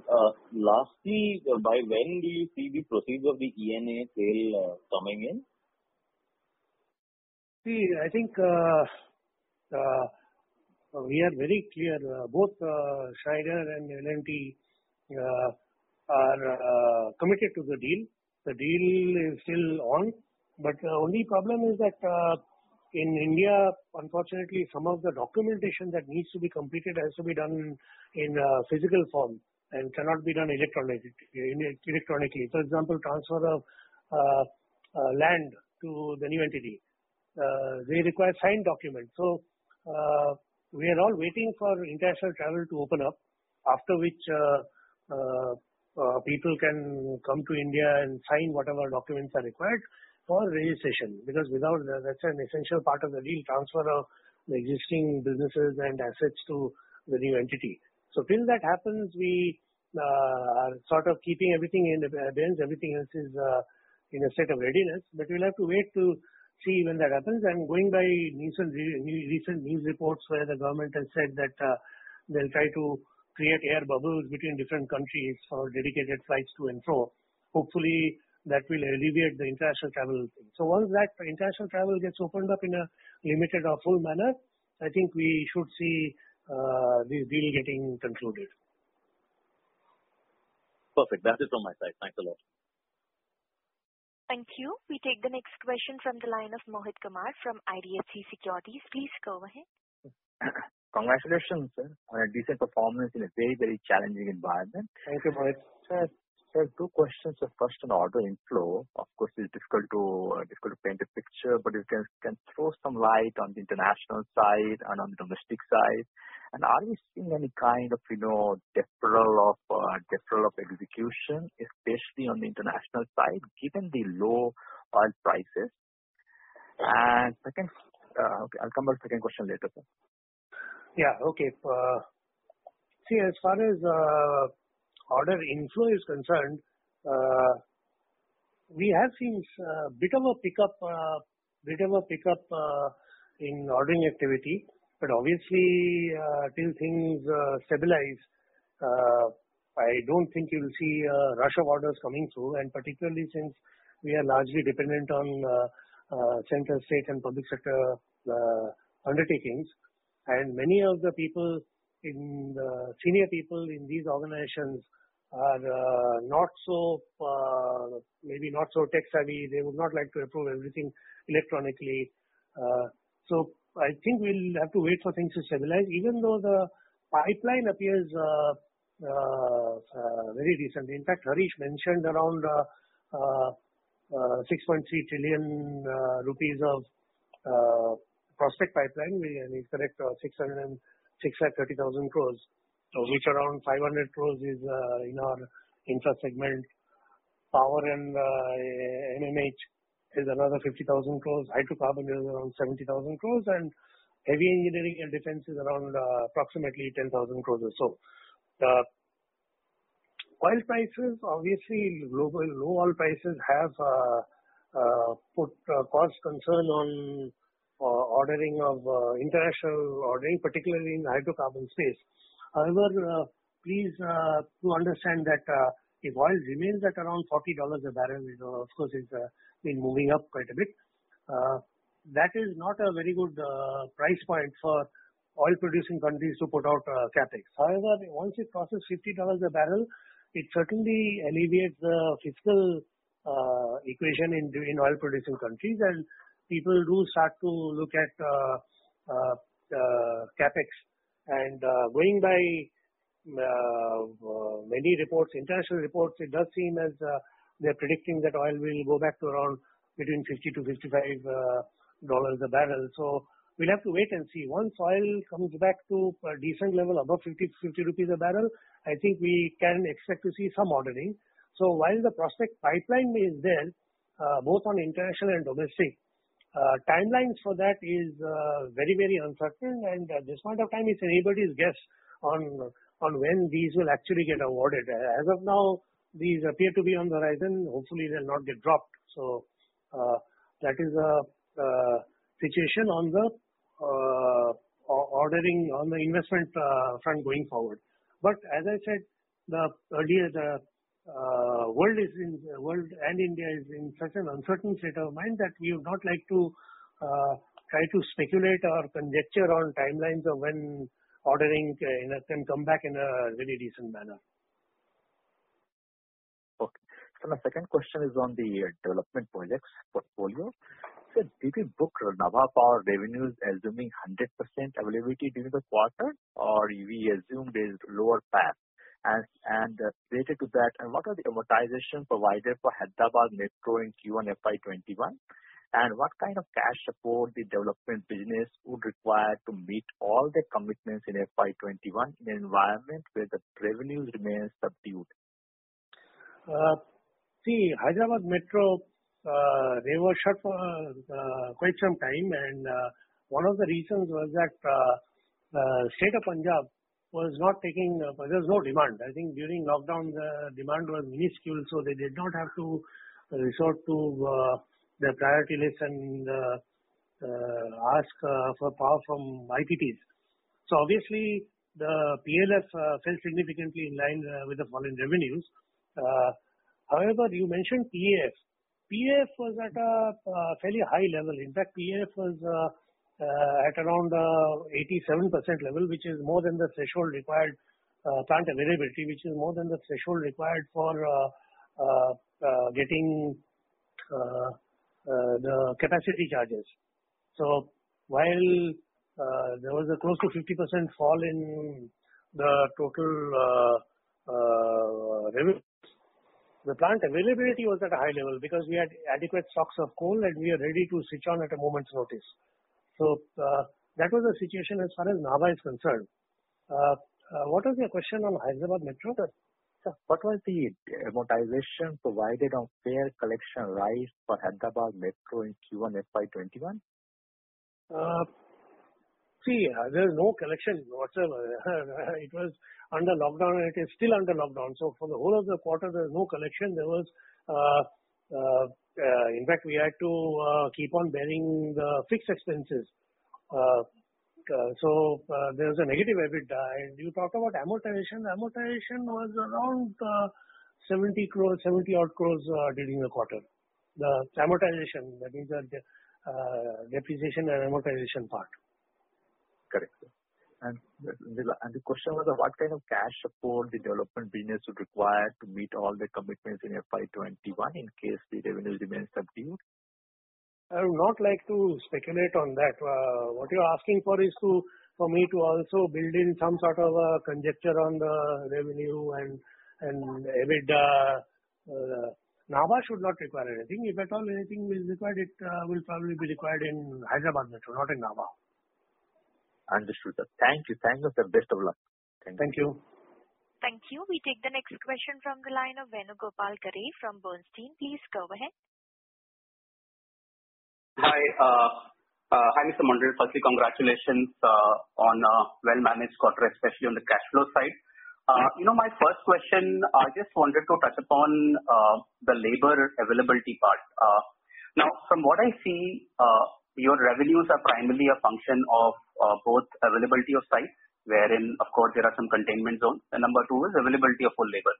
Lastly, by when do you see the proceeds of the E&A sale coming in? See, I think we are very clear. Both Schneider and L&T are committed to the deal. The deal is still on, but the only problem is that in India, unfortunately, some of the documentation that needs to be completed has to be done in physical form and cannot be done electronically. For example, transfer of land to the new entity. They require signed documents. We are all waiting for international travel to open up, after which people can come to India and sign whatever documents are required for registration, because that's an essential part of the deal, transfer of the existing businesses and assets to the new entity. Till that happens, we are sort of keeping everything in abeyance. Everything else is in a state of readiness, but we'll have to wait to see when that happens. I'm going by recent news reports where the government has said that they'll try to create air bubbles between different countries for dedicated flights to and fro. Hopefully, that will alleviate the international travel thing. Once that international travel gets opened up in a limited or full manner, I think we should see this deal getting concluded. Perfect. That is all from my side. Thanks a lot. Thank you. We take the next question from the line of Mohit Kumar from IDFC Securities. Please go ahead. Congratulations, sir, on a decent performance in a very challenging environment. Thank you, Mohit. Sir, two questions. The first on order inflow. Of course, it's difficult to paint a picture, but if you can throw some light on the international side and on domestic side. Are you seeing any kind of deferral of execution, especially on the international side, given the low oil prices? Okay, I'll come to second question later, sir. Yeah. Okay. See, as far as order inflow is concerned, we have seen a bit of a pick up in ordering activity, but obviously, till things stabilize, I don't think you will see a rush of orders coming through, particularly since we are largely dependent on central, state and public sector undertakings. Many of the senior people in these organizations are maybe not so tech-savvy. They would not like to approve everything electronically. I think we'll have to wait for things to stabilize, even though the pipeline appears very recent. In fact, Harish mentioned around 6.3 trillion rupees of prospect pipeline. If correct, 630,000 crores. Of which around 500,000 crores is in our infra segment. Power and MMH is another 50,000 crores. Hydrocarbon is around 70,000 crores. Heavy engineering and defense is around approximately 10,000 crores or so. Oil prices, obviously, low oil prices have caused concern on international ordering, particularly in the hydrocarbon space. However, please do understand that if oil remains at around $40 a barrel, of course it's been moving up quite a bit, that is not a very good price point for oil producing countries to put out CapEx. However, once it crosses $50 a barrel, it certainly alleviates the fiscal equation in oil producing countries and people do start to look at CapEx. Going by many international reports, it does seem as they're predicting that oil will go back to around between $50 to $55 a barrel. We'll have to wait and see. Once oil comes back to a decent level above 50 rupees a barrel, I think we can expect to see some ordering. While the prospect pipeline is there, both on international and domestic, timelines for that is very uncertain and at this point of time, it's anybody's guess on when these will actually get awarded. As of now, these appear to be on the horizon. Hopefully, they'll not get dropped. That is the situation on the investment front going forward. As I said earlier, the world and India is in such an uncertain state of mind that we would not like to try to speculate or conjecture on timelines of when ordering can come back in a very decent manner. Okay. Sir, my second question is on the development projects portfolio. Sir, did we book Nabha Power revenues assuming 100% availability during the quarter, or we assumed a lower PAF? Related to that, what are the amortization provided for Hyderabad Metro in Q1 FY 2021? What kind of cash support the development business would require to meet all the commitments in FY 2021 in an environment where the revenues remain subdued? Hyderabad Metro, they were shut for quite some time, and one of the reasons was that state of Punjab, there was no demand. I think during lockdown, the demand was minuscule, they did not have to resort to their priority list and ask for power from IPPs. Obviously the PLF fell significantly in line with the fall in revenues. However, you mentioned PAF. PAF was at a fairly high level. In fact, PAF was at around 87% level, which is more than the threshold required. Plant availability, which is more than the threshold required for getting the capacity charges. While there was a close to 50% fall in the total revenues, the plant availability was at a high level because we had adequate stocks of coal, and we are ready to switch on at a moment's notice. That was the situation as far as Nabha is concerned. What was your question on Hyderabad Metro? Sir, what was the amortization provided on fare collection rights for Hyderabad Metro in Q1 FY 2021? There was no collection whatsoever. It was under lockdown, and it is still under lockdown. For the whole of the quarter, there was no collection. In fact, we had to keep on bearing the fixed expenses. There was a negative EBITDA. You talk about amortization. Amortization was around 70 odd crores during the quarter. The amortization. That is the depreciation and amortization part. Correct, sir. The question was, what kind of cash support the development business would require to meet all the commitments in FY 2021 in case the revenues remain subdued? I would not like to speculate on that. What you're asking for is for me to also build in some sort of a conjecture on the revenue and EBITDA. Nabha should not require anything. If at all anything is required, it will probably be required in Hyderabad Metro, not in Nabha. Understood, sir. Thank you. Best of luck. Thank you. Thank you. We take the next question from the line of Venu Gopalakrishnan from AllianceBernstein. Please go ahead. Hi, Mr. Mondal. Firstly, congratulations on a well-managed quarter, especially on the cash flow side. My first question, I just wanted to touch upon the labor availability part. From what I see, your revenues are primarily a function of both availability of site, wherein, of course, there are some containment zones, and number two is availability of all labor.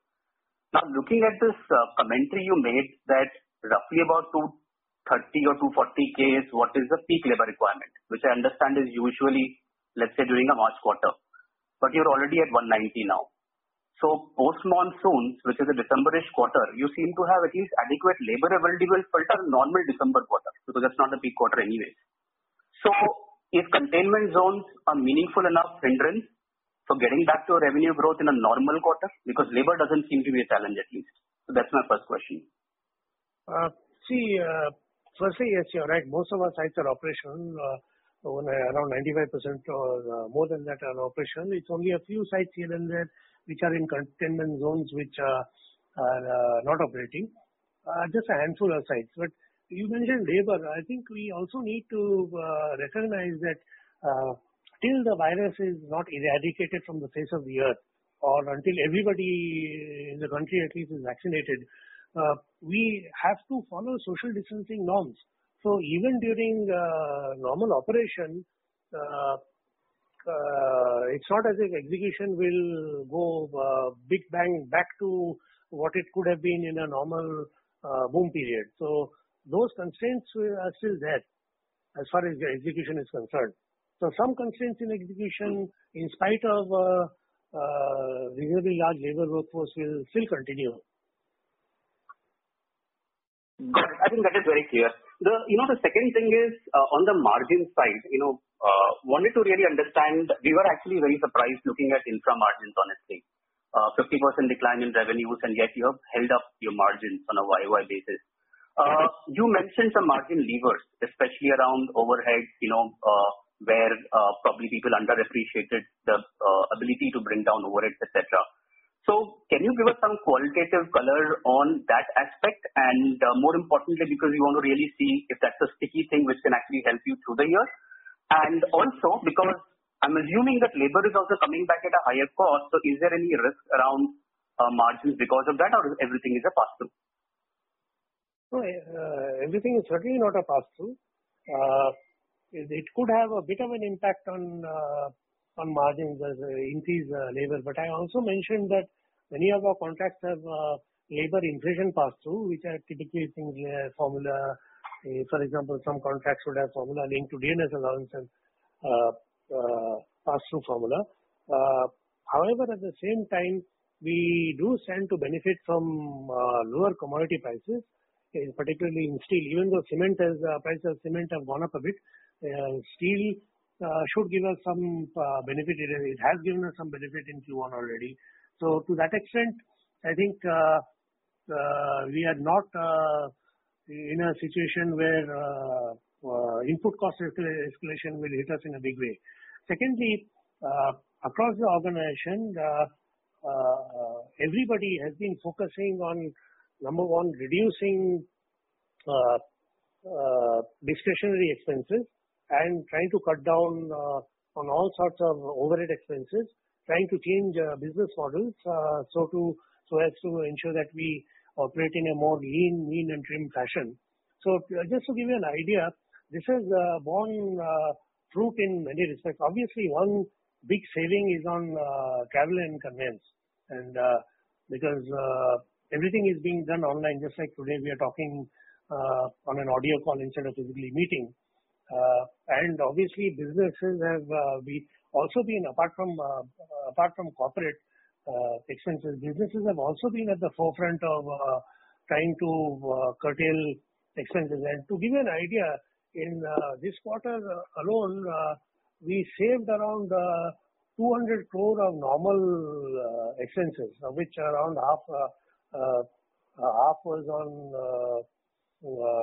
Looking at this commentary you made that roughly about 230,000 or 240,000 is what is the peak labor requirement. Which I understand is usually, let's say, during a March quarter, but you're already at 190 now. Post-monsoons, which is a December-ish quarter, you seem to have at least adequate labor availability for a normal December quarter, because that's not a peak quarter anyway. If containment zones are meaningful enough hindrance for getting back to a revenue growth in a normal quarter? Because labor doesn't seem to be a challenge at least. That's my first question. See, firstly, yes, you're right, most of our sites are operational. Around 95% or more than that are operational. It's only a few sites here and there which are in containment zones, which are not operating. Just a handful of sites. You mentioned labor. I think we also need to recognize that till the virus is not eradicated from the face of the Earth or until everybody in the country at least is vaccinated, we have to follow social distancing norms. Even during normal operation, it's not as if execution will go big bang back to what it could have been in a normal boom period. Those constraints are still there as far as the execution is concerned. Some constraints in execution, in spite of a reasonably large labor workforce, will still continue. Got it. I think that is very clear. The second thing is on the margin side. Wanted to really understand. We were actually very surprised looking at infra margins, honestly. 50% decline in revenues, yet you have held up your margins on a YY basis. You mentioned some margin levers, especially around overheads, where probably people underappreciated the ability to bring down overheads, et cetera. Can you give us some qualitative color on that aspect? More importantly, because we want to really see if that's a sticky thing which can actually help you through the year. Also, because I'm assuming that labor is also coming back at a higher cost, so is there any risk around margins because of that, or everything is a pass-through? No, everything is certainly not a pass-through. It could have a bit of an impact on margins as increased labor. I also mentioned that many of our contracts have labor inflation pass-through, which are typically things like formula. For example, some contracts would have formula linked to dearness allowance and pass-through formula. However, at the same time, we do stand to benefit from lower commodity prices, particularly in steel. Even though prices of cement have gone up a bit, steel should give us some benefit. It has given us some benefit in Q1 already. To that extent, I think we are not in a situation where input cost escalation will hit us in a big way. Secondly, across the organization, everybody has been focusing on, number one, reducing discretionary expenses and trying to cut down on all sorts of overhead expenses, trying to change business models so as to ensure that we operate in a more lean, mean, and trim fashion. Just to give you an idea, this has borne fruit in many respects. Obviously, one big saving is on travel and conveyance, because everything is being done online, just like today, we are talking on an audio call instead of physically meeting. Obviously, apart from corporate expenses, businesses have also been at the forefront of trying to curtail expenses. To give you an idea, in this quarter alone, we saved around 200 crore of normal expenses, of which around half was on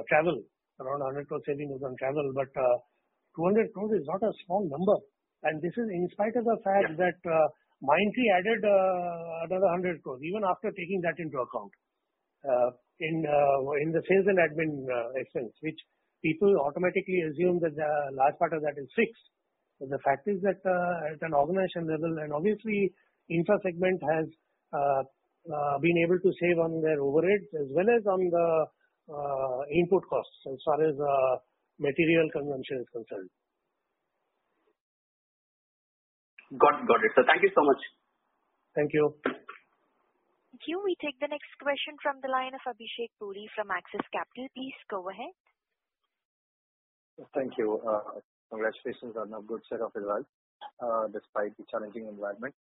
travel. Around 100 crore saving was on travel, 200 crore is not a small number. This is in spite of the fact that Mindtree added another 100 crores, even after taking that into account. In the sales and admin expense, which people automatically assume that a large part of that is fixed. The fact is that at an organization level, and obviously infra segment has been able to save on their overheads as well as on the input costs, as far as material consumption is concerned. Got it, sir. Thank you so much. Thank you. Thank you. We take the next question from the line of Abhishek Puri from Axis Capital. Please go ahead. Thank you. Congratulations on a good set of results despite the challenging environment.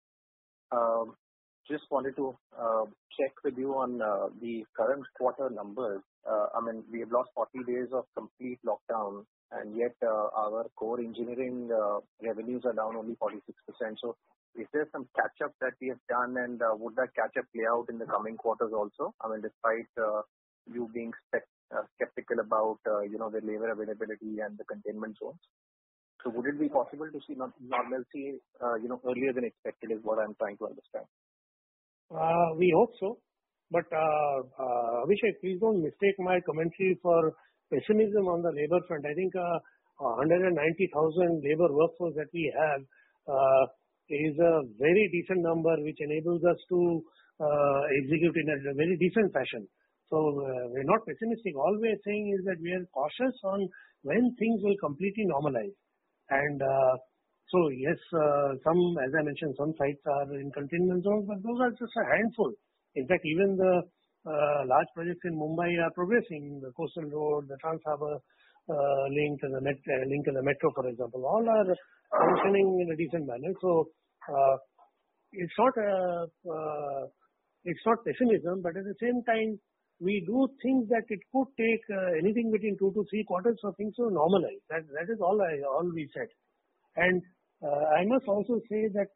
Just wanted to check with you on the current quarter numbers. We have lost 40 days of complete lockdown, yet our core engineering revenues are down only 46%. Is there some catch-up that we have done, and would that catch-up play out in the coming quarters also? Despite you being skeptical about the labor availability and the containment zones. Would it be possible to see normalcy earlier than expected, is what I'm trying to understand. We hope so. Abhishek, please don't mistake my commentary for pessimism on the labor front. I think 190,000 labor workforce that we have is a very decent number, which enables us to execute in a very decent fashion. We're not pessimistic. All we're saying is that we are cautious on when things will completely normalize. Yes, as I mentioned, some sites are in containment zones, but those are just a handful. In fact, even the large projects in Mumbai are progressing. The coastal road, the Trans Harbour Link, and the Metro, for example. All are functioning in a decent manner. It's not pessimism, but at the same time, we do think that it could take anything between two to three quarters for things to normalize. That is all we said. I must also say that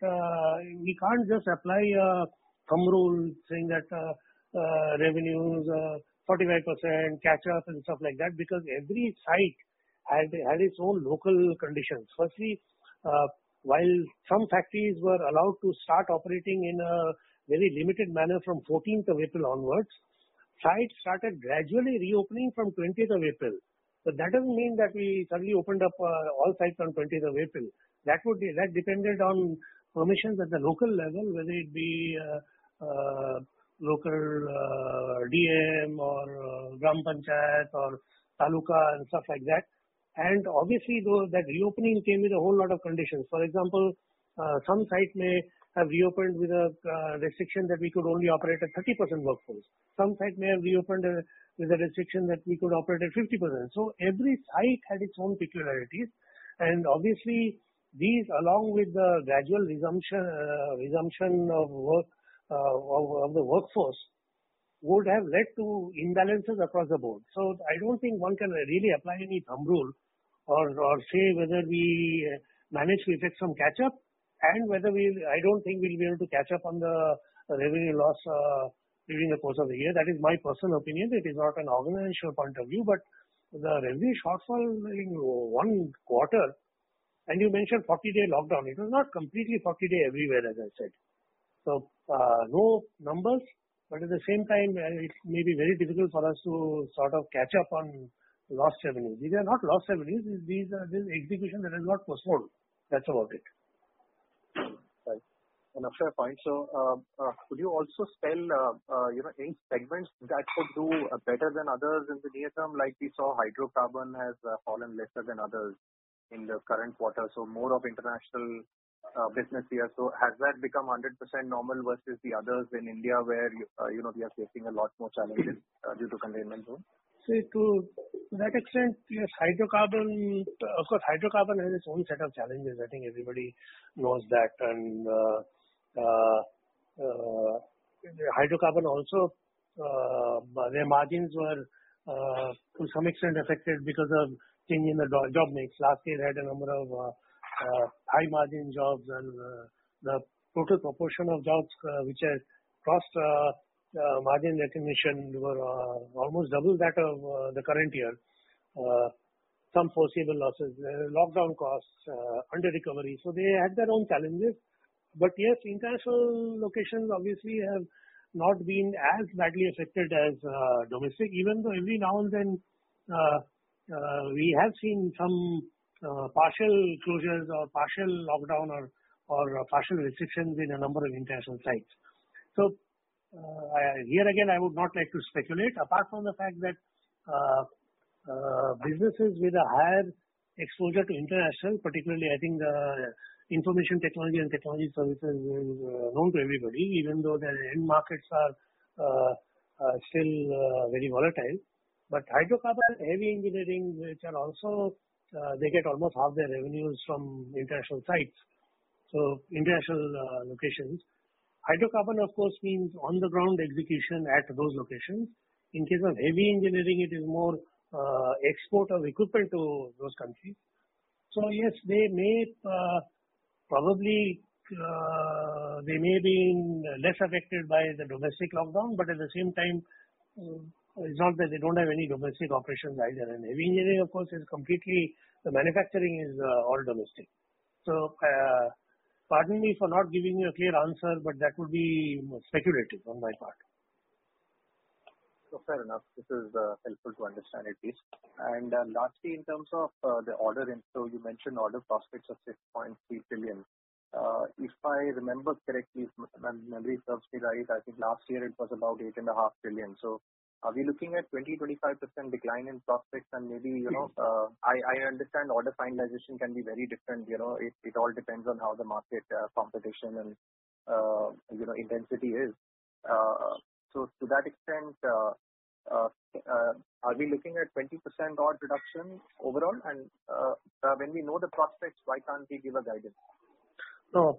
we can't just apply a thumb rule saying that revenues are 45% catch up and stuff like that, because every site has its own local conditions. Firstly, while some factories were allowed to start operating in a very limited manner from 14th of April onwards, sites started gradually reopening from 20th of April. That doesn't mean that we suddenly opened up all sites on 20th of April. That depended on permissions at the local level, whether it be local DM or Gram Panchayat or Taluka and stuff like that. Obviously, that reopening came with a whole lot of conditions. For example, some sites may have reopened with a restriction that we could only operate at 30% workforce. Some sites may have reopened with a restriction that we could operate at 50%. Every site had its own peculiarities, and obviously these, along with the gradual resumption of the workforce, would have led to imbalances across the board. I don't think one can really apply any thumb rule or say whether we managed to effect some catch-up and I don't think we'll be able to catch up on the revenue loss during the course of the year. That is my personal opinion. It is not an organizational point of view. The revenue shortfall in one quarter, and you mentioned 40-day lockdown. It was not completely 40 day everywhere, as I said. No numbers, but at the same time, it may be very difficult for us to sort of catch up on lost revenues. These are not lost revenues. These are execution that has got postponed. That's about it. Right. An fair point. Could you also spell any segments that could do better than others in the near term, like we saw hydrocarbon has fallen lesser than others in the current quarter. More of international business here. Has that become 100% normal versus the others in India where we are facing a lot more challenges due to containment zone? See, to that extent, yes, of course, hydrocarbon has its own set of challenges. I think everybody knows that. Hydrocarbon also, their margins were to some extent affected because of change in the job mix. Last year they had a number of high-margin jobs and the total proportion of jobs which had cost margin estimation were almost double that of the current year. Some foreseeable losses, lockdown costs, under-recovery, they had their own challenges. Yes, international locations obviously have not been as badly affected as domestic, even though every now and then we have seen some partial closures or partial lockdown or partial restrictions in a number of international sites. Here again, I would not like to speculate, apart from the fact that businesses with a higher exposure to international, particularly, I think, Information Technology and Technology Services is known to everybody, even though their end markets are still very volatile. Hydrocarbon, Heavy Engineering, they get almost half their revenues from international sites. International locations. Hydrocarbon of course means on the ground execution at those locations. In case of Heavy Engineering, it is more export of equipment to those countries. Yes, probably they may be less affected by the domestic lockdown, but at the same time, it's not that they don't have any domestic operations either. Heavy Engineering, of course, is completely the manufacturing is all domestic. Pardon me for not giving you a clear answer, but that would be speculative on my part. Fair enough. This is helpful to understand at least. Lastly, in terms of the order inflow, you mentioned order prospects of 6.3 trillion. If I remember correctly, if my memory serves me right, I think last year it was about 8.5 trillion. Are we looking at 20%-25% decline in prospects? Maybe, I understand order finalization can be very different. It all depends on how the market competition and intensity is. To that extent, are we looking at 20% odd reduction overall? When we know the prospects, why can't we give a guidance? No.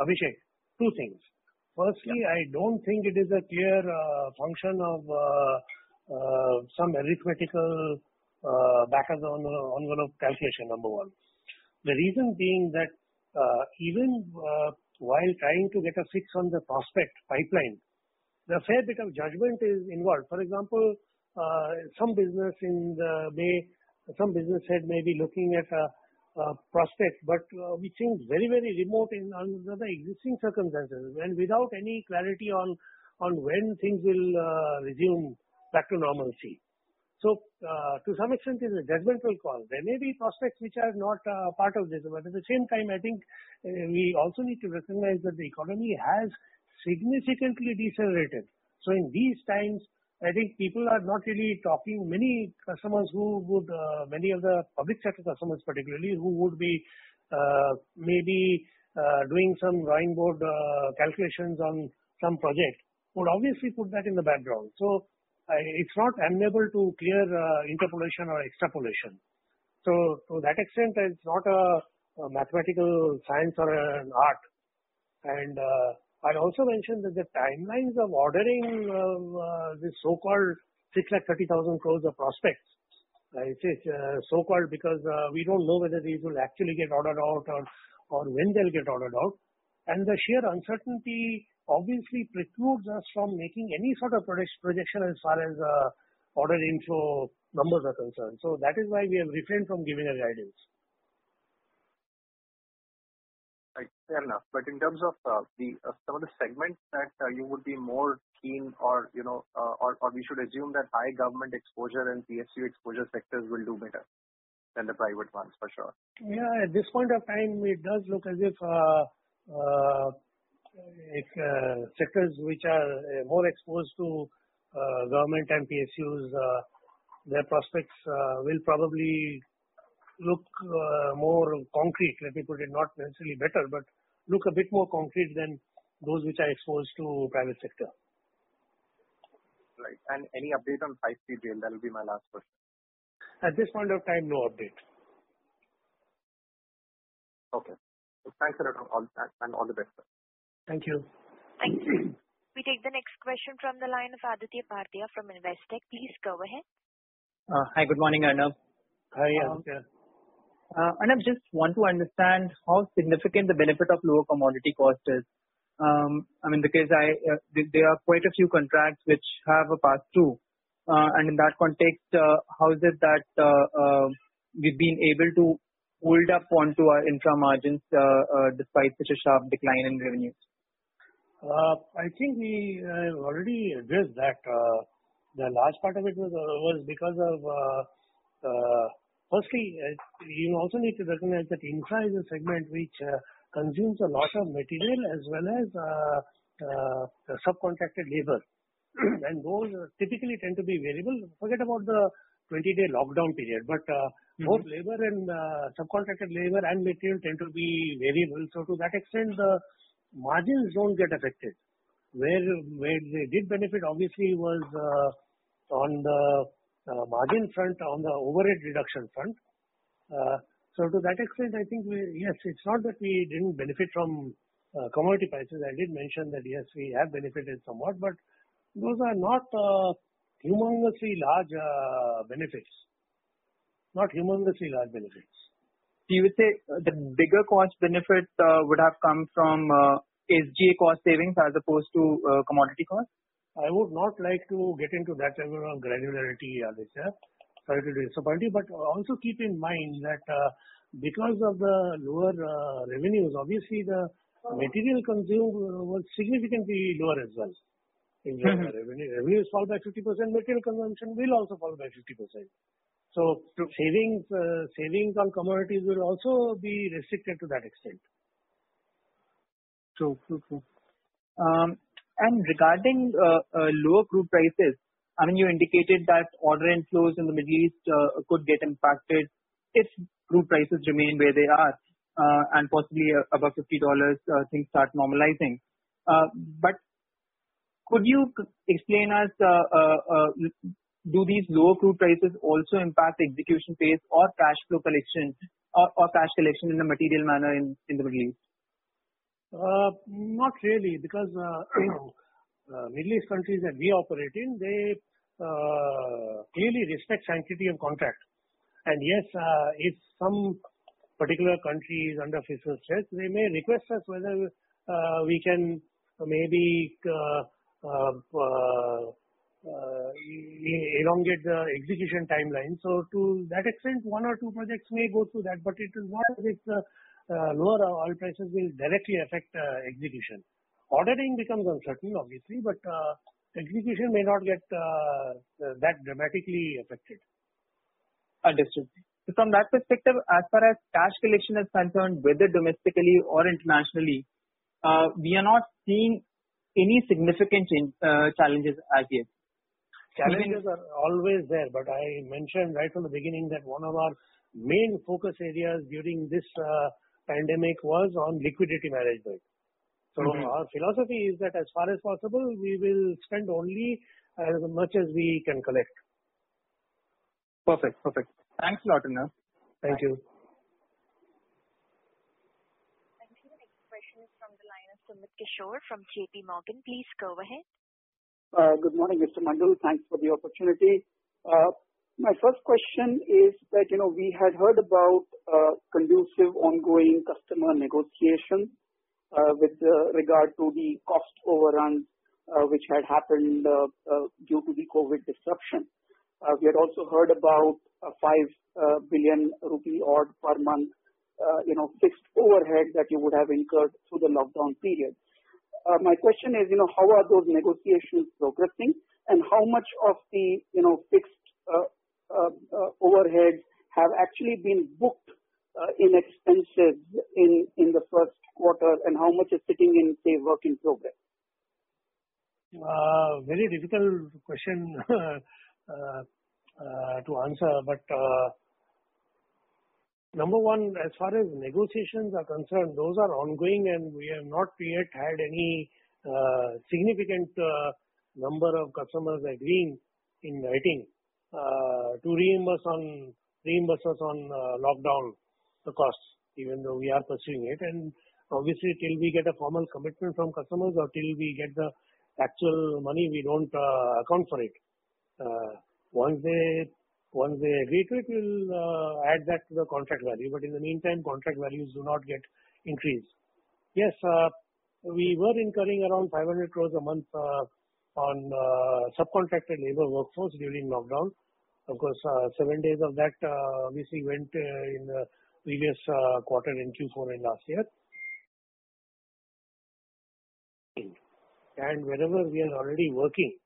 Abhishek, two things. Firstly, I don't think it is a clear function of some arithmetical back of the envelope calculation, number one. The reason being that even while trying to get a fix on the prospect pipeline, a fair bit of judgment is involved. For example, some business head may be looking at a prospect, but which seems very remote under the existing circumstances and without any clarity on when things will resume back to normalcy. To some extent, it's a judgmental call. There may be prospects which are not part of this. At the same time, I think we also need to recognize that the economy has significantly decelerated. In these times, I think people are not really talking. Many of the public sector customers, particularly, who would be maybe doing some drawing board calculations on some project, would obviously put that in the background. It's not amenable to clear interpolation or extrapolation. To that extent, it's not a mathematical science or an art. I'd also mention that the timelines of ordering this so-called 630,000 crore of prospects. It is so-called because we don't know whether these will actually get ordered out or when they'll get ordered out. The sheer uncertainty obviously precludes us from making any sort of projection as far as order inflow numbers are concerned. That is why we have refrained from giving a guidance. Right. Fair enough. In terms of some of the segments that you would be more keen or we should assume that high government exposure and PSU exposure sectors will do better than the private ones for sure. Yeah. At this point of time, it does look as if sectors which are more exposed to government and PSUs, their prospects will probably look more concrete, let me put it, not necessarily better, but look a bit more concrete than those which are exposed to private sector. Right. Any update on 5G build? That will be my last question. At this point of time, no update. Okay. Thanks a lot for all of that, and all the best. Thank you. Thank you. We take the next question from the line of Aditya Bhartia from Investec. Please go ahead. Hi. Good morning, Arnob. Hi, Aditya. Arnob, just want to understand how significant the benefit of lower commodity cost is? There are quite a few contracts which have a pass-through. In that context, how is it that we've been able to hold up onto our infra margins despite such a sharp decline in revenues? I think we have already addressed that. The large part of it was because of, firstly, we also need to recognize that infra is a segment which consumes a lot of material as well as subcontracted labor. Those typically tend to be variable. Forget about the 20-day lockdown period, both labor and subcontracted labor and material tend to be variable. To that extent, the margins don't get affected. Where they did benefit obviously was on the margin front, on the overhead reduction front. To that extent, I think yes, it's not that we didn't benefit from commodity prices. I did mention that yes, we have benefited somewhat, but those are not humongously large benefits. You would say the bigger cost benefit would have come from SGA cost savings as opposed to commodity costs? I would not like to get into that level of granularity, Aditya. Sorry to disappoint you. Also keep in mind that because of the lower revenues, obviously the material consumed was significantly lower as well. In general, revenue is fall by 50%, material consumption will also fall by 50%. Savings on commodities will also be restricted to that extent. True. Regarding lower crude prices, you indicated that order inflows in the Middle East could get impacted if crude prices remain where they are, and possibly above $50 things start normalizing. Could you explain us, do these lower crude prices also impact execution pace or cash collection in a material manner in the Middle East? Not really, because Middle East countries that we operate in, they clearly respect sanctity of contract. Yes, if some particular country is under fiscal stress, they may request us whether we can maybe elongate the execution timeline. To that extent, one or two projects may go through that. It is not as if lower oil prices will directly affect execution. Ordering becomes uncertain obviously, but execution may not get that dramatically affected. Understood. From that perspective, as far as cash collection is concerned, whether domestically or internationally, we are not seeing any significant challenges as yet. Challenges are always there, I mentioned right from the beginning that one of our main focus areas during this pandemic was on liquidity management. Our philosophy is that as far as possible, we will spend only as much as we can collect. Perfect. Thanks a lot, Arnob. Thank you. Thank you. The next question is from the line of Sumit Kishore from JPMorgan. Please go ahead. Good morning, Mr. Mondal. Thanks for the opportunity. My first question is that we had heard about conducive ongoing customer negotiation with regard to the cost overrun, which had happened due to the COVID disruption. We had also heard about a 5 billion rupee odd per month fixed overhead that you would have incurred through the lockdown period. My question is, how are those negotiations progressing and how much of the fixed overheads have actually been booked in expenses in the first quarter, and how much is sitting in, say, work in progress? Very difficult question to answer. Number one, as far as negotiations are concerned, those are ongoing and we have not yet had any significant number of customers agreeing in writing to reimburse us on lockdown the costs, even though we are pursuing it. Obviously, till we get a formal commitment from customers or till we get the actual money, we don't account for it. Once they agree to it, we'll add that to the contract value. In the meantime, contract values do not get increased. Yes, we were incurring around 500 crores a month on subcontracted labor workforce during lockdown. Of course, seven days of that obviously went in the previous quarter in Q4 in last year. Wherever we are already working,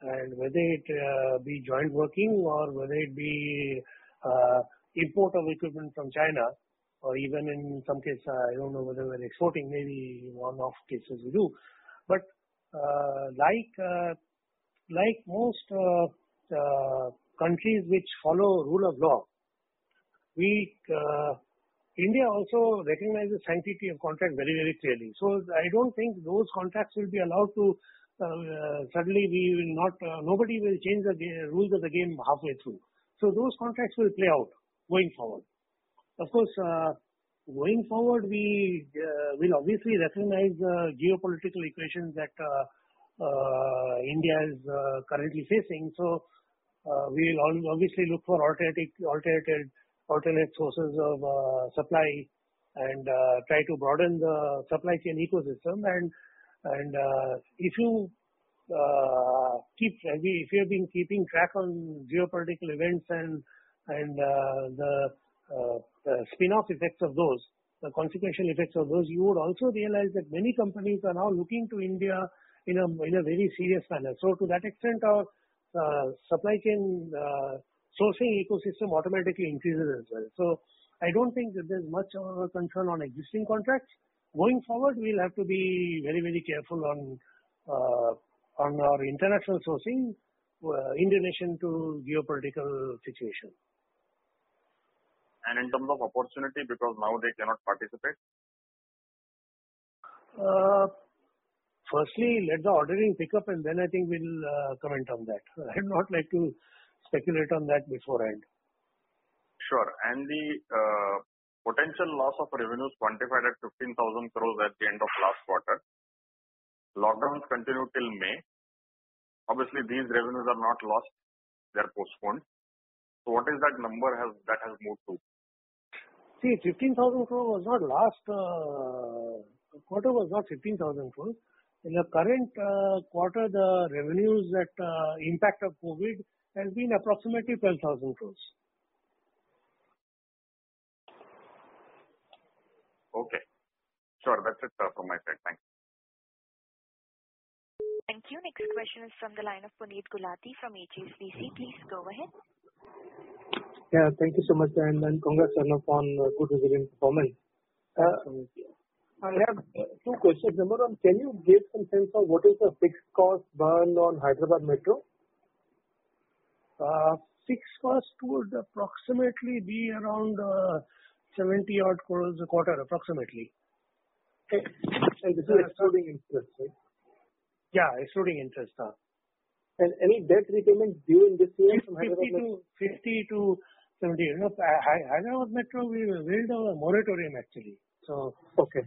whether it be joint working or whether it be import of equipment from China or even in some cases, I don't know whether we're exporting, maybe one-off cases we do. Like most countries which follow rule of law, India also recognizes sanctity of contract very clearly. I don't think those contracts will be allowed. Suddenly nobody will change the rules of the game halfway through. Those contracts will play out going forward. Of course, going forward, we'll obviously recognize the geopolitical equations that India is currently facing. We'll obviously look for alternate sources of supply and try to broaden the supply chain ecosystem. If you have been keeping track on geopolitical events and the spin-off effects of those, the consequential effects of those, you would also realize that many companies are now looking to India in a very serious manner. To that extent, our supply chain sourcing ecosystem automatically increases as well. I don't think that there's much of a concern on existing contracts. Going forward, we'll have to be very careful on our international sourcing in relation to geopolitical situation. In terms of opportunity, because now they cannot participate? Firstly, let the ordering pick up, and then I think we'll comment on that. I would not like to speculate on that beforehand. Sure. The potential loss of revenues quantified at 15,000 crores at the end of last quarter. Lockdowns continued till May. Obviously, these revenues are not lost, they're postponed. What is that number that has moved to? See, 15,000 crore was our last quarter, 15,000 crore. In the current quarter, the revenues that impact of COVID has been approximately 12,000 crore. Okay. Sure. That's it from my side. Thanks. Thank you. Next question is from the line of Puneet Gulati from HSBC. Please go ahead. Yeah. Thank you so much, and congrats on good resilient performance. Thanks so much. I have two questions. Number one, can you give some sense of what is the fixed cost burn on Hyderabad Metro? Fixed cost would approximately be around 70 odd crores a quarter, approximately. Okay. This is excluding interest, right? Yeah, excluding interest. Any debt repayment during this year from Hyderabad? 50 to 70. Hyderabad Metro, we waived our moratorium, actually. Okay.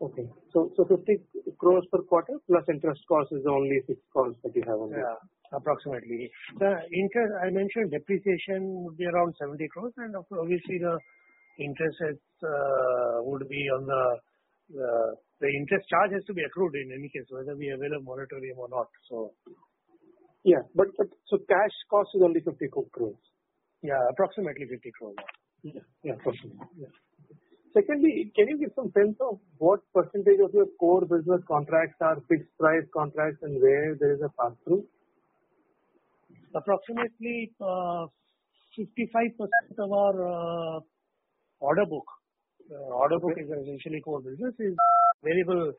50 crores per quarter plus interest cost is the only fixed cost that you have on that. Yeah, approximately. I mentioned depreciation would be around 70 crores, and obviously the interest charges to be accrued in any case, whether we waive a moratorium or not. Yeah. Cash cost is only 50 crores. Yeah, approximately 50 crores. Yeah. Approximately. Yeah. Secondly, can you give some sense of what % of your core business contracts are fixed price contracts and where there is a pass-through? Approximately 55% of our order book. Order book is initially core business, is variable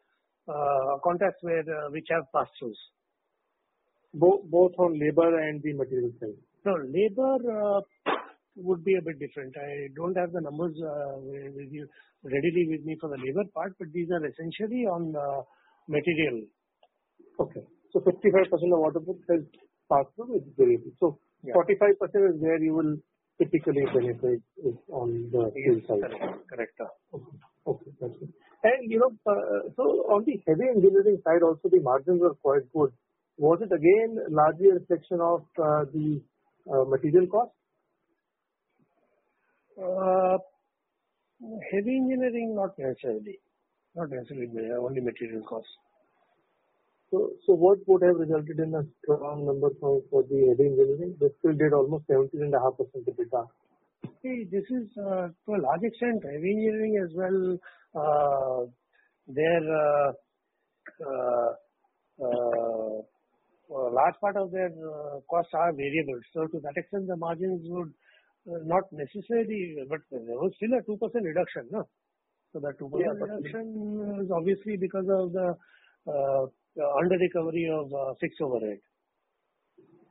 contracts which have pass-throughs. Both on labor and the material side. No, labor would be a bit different. I don't have the numbers readily with me for the labor part, but these are essentially on the material. Okay. 55% of waterproof has passed through with variability. Yeah 45% is where you will typically benefit on the field side. Correct. Okay. That's it. On the heavy engineering side, also the margins were quite good. Was it again, largely a section of the material cost? Heavy engineering, not necessarily. Not necessarily only material cost. What would have resulted in a strong number for the heavy engineering that still did almost 17.5% EBITDA? To a large extent, heavy engineering as well, a large part of their costs are variable. To that extent, the margins would not necessarily, but there was still a 2% reduction. That 2% reduction is obviously because of the under recovery of fixed overhead.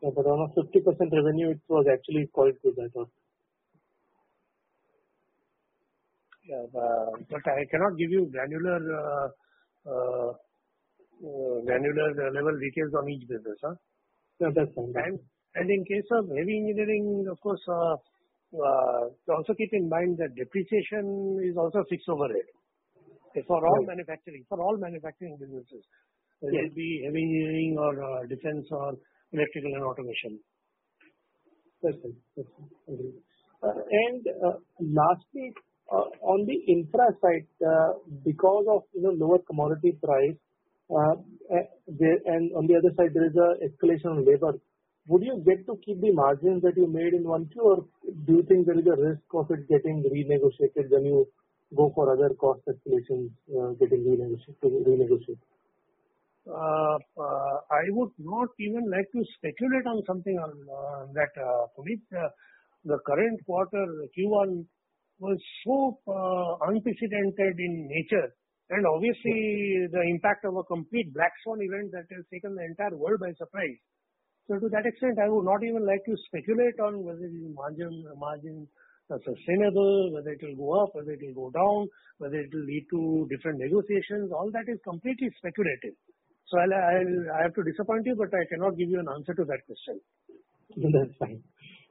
For almost 50% revenue, it was actually quite good, I thought. I cannot give you granular level details on each business. No, that's fine. In case of heavy engineering, of course, also keep in mind that depreciation is also a fixed overhead. Okay. For all manufacturing businesses. Yes. Whether it be heavy engineering or defense or Electrical & Automation. That's it. Agreed. Lastly, on the infra side, because of lower commodity price, and on the other side, there is an escalation on labor. Would you get to keep the margins that you made in one, two, or do you think there is a risk of it getting renegotiated when you go for other cost escalations getting renegotiated? I would not even like to speculate on something on that, Puneet. The current quarter, Q1, was so unprecedented in nature, obviously the impact of a complete black swan event that has taken the entire world by surprise. To that extent, I would not even like to speculate on whether the margin is sustainable, whether it will go up, whether it will go down, whether it will lead to different negotiations. All that is completely speculative. I have to disappoint you, but I cannot give you an answer to that question. That's fine.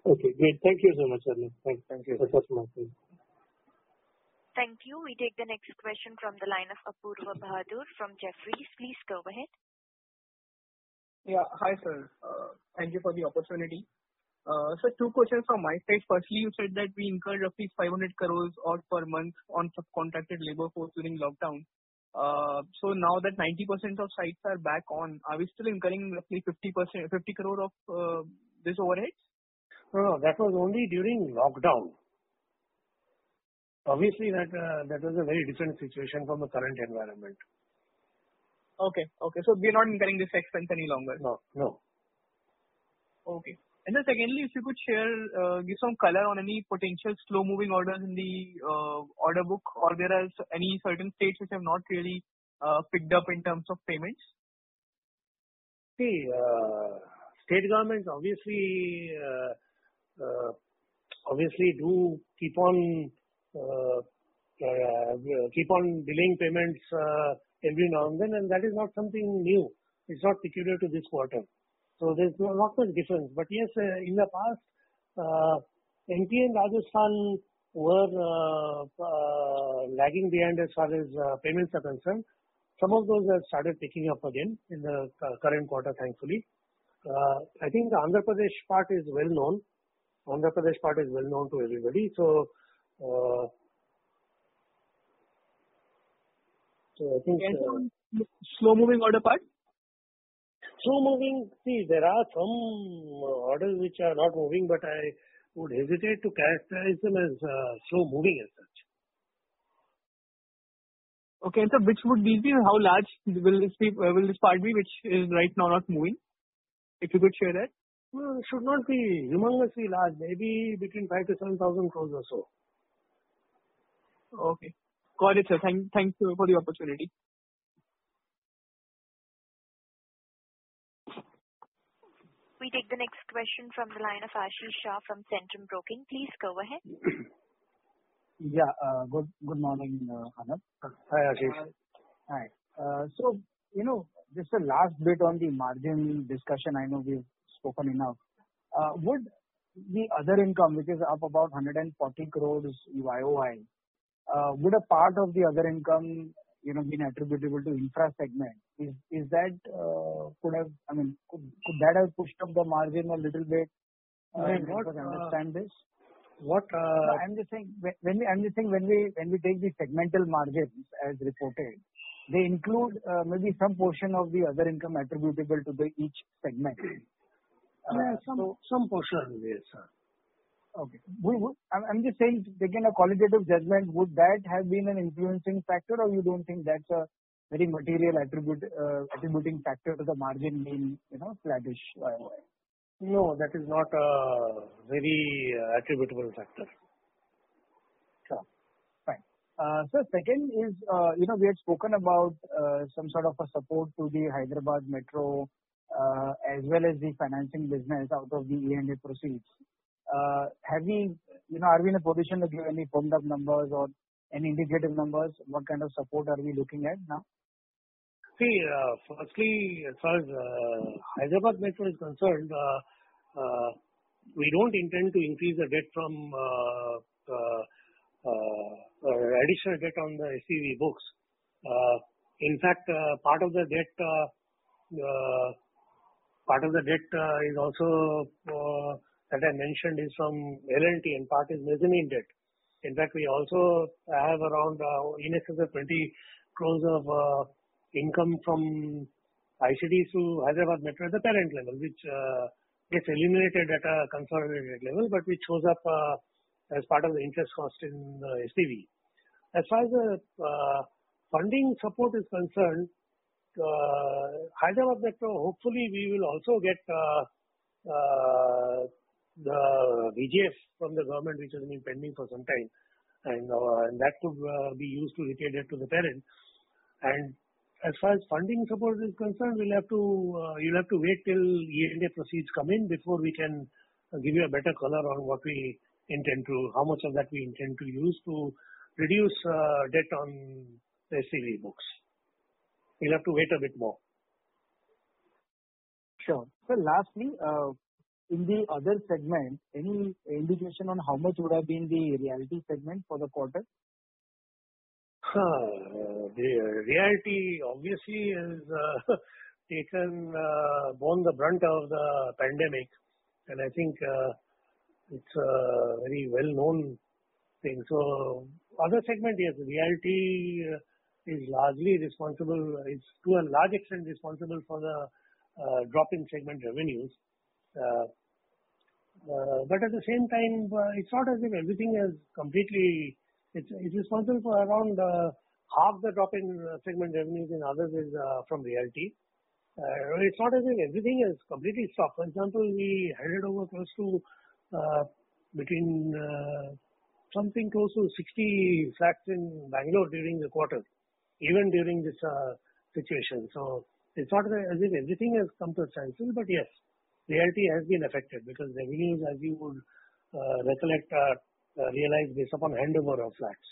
Okay, great. Thank you so much, Arnob. Thank you. That's all from my side. Thank you. We take the next question from the line of Apoorva Bahadur from Jefferies. Please go ahead. Hi, sir. Thank you for the opportunity. Sir, two questions from my side. Firstly, you said that we incurred roughly 500 crore per month on subcontracted labor force during lockdown. Now that 90% of sites are back on, are we still incurring roughly 50 crore of this overhead? No. That was only during lockdown. Obviously, that was a very different situation from the current environment. Okay. We are not incurring this expense any longer. No. Okay. Secondly, if you could share, give some color on any potential slow-moving orders in the order book or there are any certain states which have not really picked up in terms of payments? State governments obviously do keep on billing payments every now and then. That is not something new. It's not particular to this quarter. There's not much difference. Yes, in the past, MP and Rajasthan were lagging behind as far as payments are concerned. Some of those have started picking up again in the current quarter, thankfully. I think the Andhra Pradesh part is well known to everybody. Anything on slow-moving order part? Slow moving. See, there are some orders which are not moving, but I would hesitate to characterize them as slow moving as such. Okay. Sir, which would these be, and how large will this part be which is right now not moving? If you could share that. Should not be humongously large. Maybe between 5,000 crores-7,000 crores or so. Okay. Got it, sir. Thank you for the opportunity. We take the next question from the line of Ashish Shah from Centrum Broking. Please go ahead. Yeah. Good morning, Arnob. Hi, Ashish. Just a last bit on the margin discussion. I know we've spoken enough. Would the other income, which is up about 140 crore year-over-year, would a part of the other income be attributable to infra segment? Could that have pushed up the margin a little bit? Did I not understand this? What- I'm just saying, when we take the segmental margins as reported, they include maybe some portion of the other income attributable to each segment. Some portion, yes sir. Okay. I'm just saying, taking a qualitative judgment, would that have been an influencing factor, or you don't think that's a very material attributing factor to the margin being flattish YOY? No, that is not a very attributable factor. Sir, second is, we had spoken about some sort of a support to the Hyderabad Metro as well as the financing business out of the E&A proceeds. Are we in a position to give any firmed up numbers or any indicative numbers? What kind of support are we looking at now? See, firstly, as far as Hyderabad Metro is concerned, we don't intend to increase the additional debt on the SPV books. In fact, part of the debt, as I mentioned, is from L&T and part is mezzanine debt. In fact, we also have around in excess of 20 crores of income from ICDs to Hyderabad Metro at the parent level, which gets eliminated at a consolidated level, but which shows up as part of the interest cost in SPV. As far as the funding support is concerned, Hyderabad Metro, hopefully we will also get the VGF from the government, which has been pending for some time, and that could be used to iterate it to the parent. As far as funding support is concerned, you'll have to wait till E&A proceeds come in before we can give you a better color on how much of that we intend to use to reduce debt on SPV books. You'll have to wait a bit more. Sure. Sir, lastly, in the other segment, any indication on how much would have been the realty segment for the quarter? The realty obviously has borne the brunt of the pandemic. I think it's a very well-known thing. Other segment, yes, realty is to a large extent responsible for the drop in segment revenues. At the same time, it's responsible for around half the drop in segment revenues in other ways from realty. It's not as if everything has completely stopped. For example, we handed over something close to 60 flats in Bangalore during the quarter, even during this situation. It's not as if everything has come to a standstill, yes, realty has been affected because revenues, as you would recollect, are realized based upon handover of flats.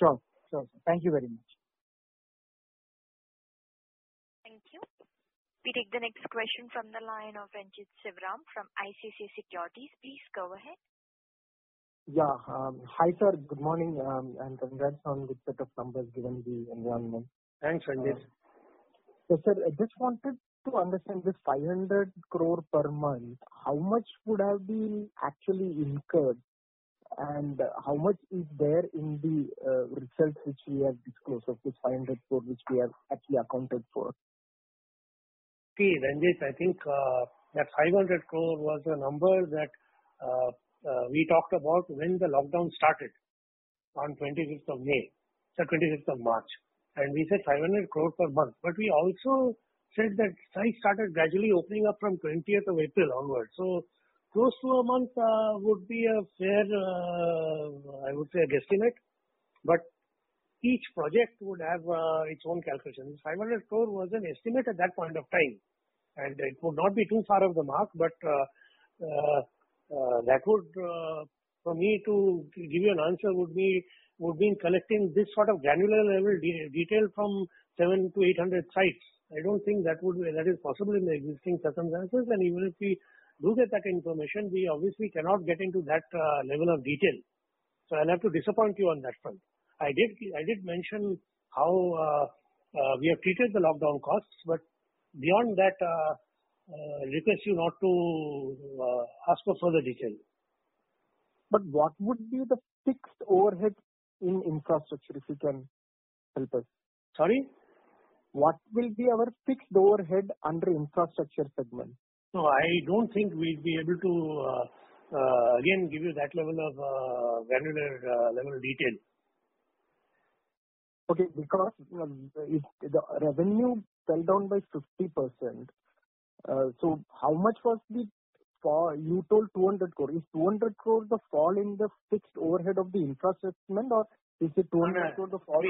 Sure. Thank you very much. Thank you. We take the next question from the line of Renjith Sivaram from ICICI Securities. Please go ahead. Yeah. Hi, sir. Good morning, and congrats on this set of numbers given the environment. Thanks, Renjith. Sir, I just wanted to understand this 500 crore per month, how much would have been actually incurred, and how much is there in the results which we have disclosed of this 500 crore, which we have actually accounted for? See, Renjith, I think that 500 crore was a number that we talked about when the lockdown started on 25th of March, and we said 500 crore per month. We also said that sites started gradually opening up from 20th of April onwards. Close to a month would be a fair, I would say, guesstimate, but each project would have its own calculation. 500 crore was an estimate at that point of time, and it would not be too far off the mark. For me to give you an answer would mean collecting this sort of granular level detail from 700-800 sites. I don't think that is possible in the existing circumstances. Even if we do get that information, we obviously cannot get into that level of detail. I'll have to disappoint you on that front. I did mention how we have treated the lockdown costs. Beyond that, I request you not to ask us for the detail. What would be the fixed overhead in infrastructure, if you can help us? Sorry? What will be our fixed overhead under infrastructure segment? No, I don't think we'd be able to, again, give you that level of granular detail. Okay. Because if the revenue fell down by 50%, how much was the fall? You told 200 crore. Is 200 crore the fall in the fixed overhead of the infrastructure segment, or is it 200 crore the fall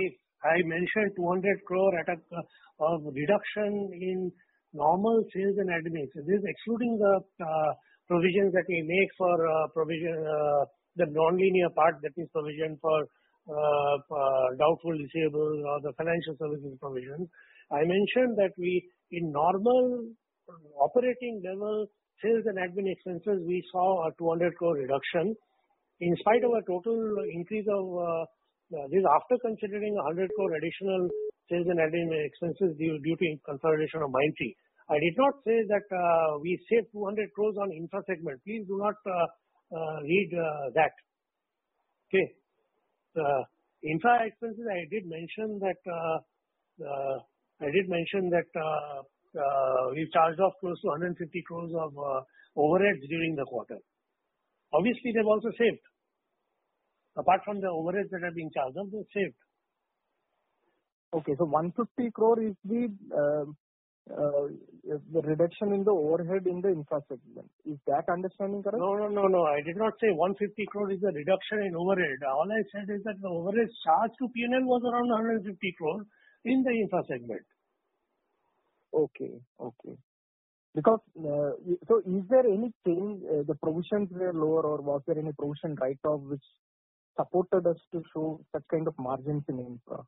in- I mentioned 200 crore of reduction in normal sales and admin. This is excluding the provisions that we make for the nonlinear part that we provision for doubtful or the financial services provision. I mentioned that in normal operating level sales and admin expenses, we saw a 200 crore reduction. This is after considering 100 crore additional sales and admin expenses due to consolidation of Mindtree. I did not say that we saved 200 crores on infra segment. Please do not read that. Okay. Infra expenses, I did mention that we've charged off close to 150 crores of overheads during the quarter. Obviously, they've also saved. Apart from the overheads that have been charged off, they've saved. Okay, 150 crore is the reduction in the overhead in the infra segment. Is that understanding correct? No, I did not say 150 crore is the reduction in overhead. All I said is that the overhead charge to P&L was around 150 crore in the infra segment. Okay. Is there any change, the provisions were lower or was there any provision write-off which supported us to show that kind of margins in infra?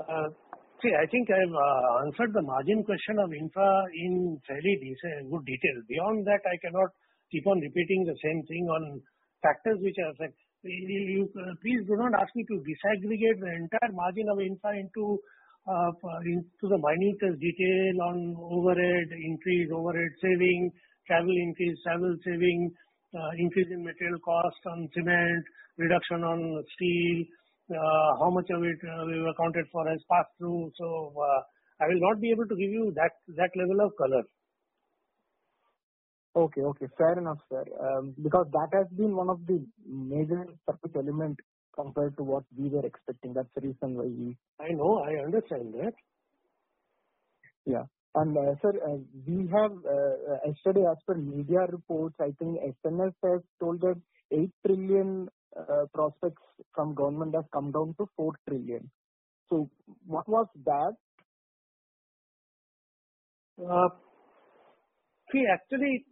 I think I've answered the margin question of infra in fairly good detail. Beyond that, I cannot keep on repeating the same thing on factors which affect. Please do not ask me to disaggregate the entire margin of infra into the minutest detail on overhead increase, overhead saving, travel increase, travel saving, increase in material cost on cement, reduction on steel how much of it we've accounted for as pass through. I will not be able to give you that level of color. Okay. Fair enough, sir. Because that has been one of the major surprise element compared to what we were expecting. That's the reason why. I know. I understand that. Yeah. Sir, yesterday as per media reports, I think SNS has told that 8 trillion prospects from government has come down to 4 trillion. What was that? See, actually,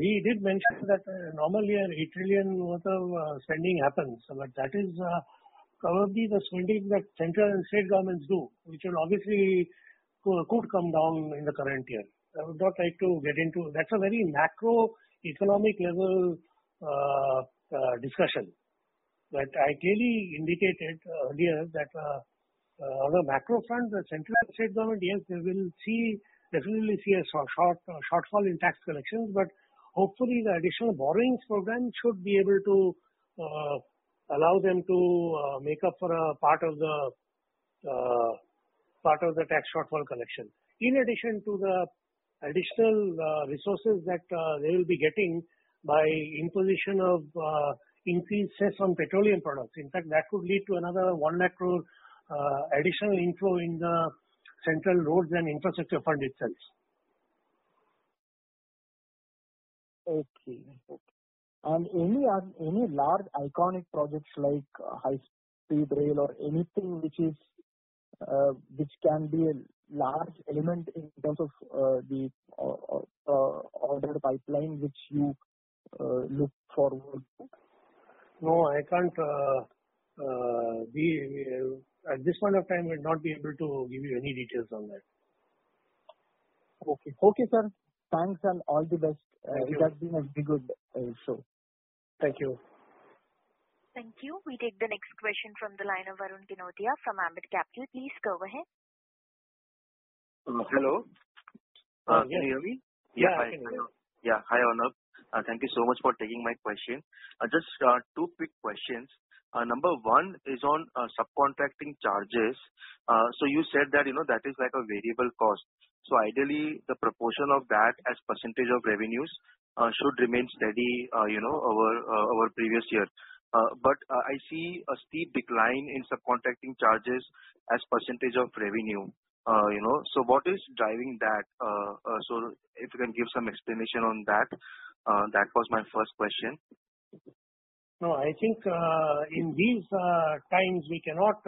he did mention that normally an 8 trillion worth of spending happens, but that is probably the spending that central and state governments do, which obviously could come down in the current year. I would not like to. That's a very macroeconomic level discussion. I clearly indicated earlier that on the macro front, the central and state government, yes, they will definitely see a shortfall in tax collections, but hopefully the additional borrowings program should be able to allow them to make up for a part of the tax shortfall collection. In addition to the additional resources that they will be getting by imposition of increased cess on petroleum products. In fact, that could lead to another one macro additional inflow in the Central Roads and Infrastructure Fund itself. Okay. Any large iconic projects like high-speed rail or anything which can be a large element in terms of the order pipeline which you look forward to? No, at this point of time, we'll not be able to give you any details on that. Okay, sir. Thanks and all the best. It has been a good show. Thank you. Thank you. We take the next question from the line of Varun Pinotia from Ambit Capital. Please go ahead. Hello. Can you hear me? Yeah, I can hear you. Yeah. Hi, Arnob. Thank you so much for taking my question. Just two quick questions. Number one is on subcontracting charges. You said that is like a variable cost. Ideally, the proportion of that as % of revenues should remain steady, over previous years. I see a steep decline in subcontracting charges as % of revenue. What is driving that? If you can give some explanation on that. That was my first question. No, I think, in these times we cannot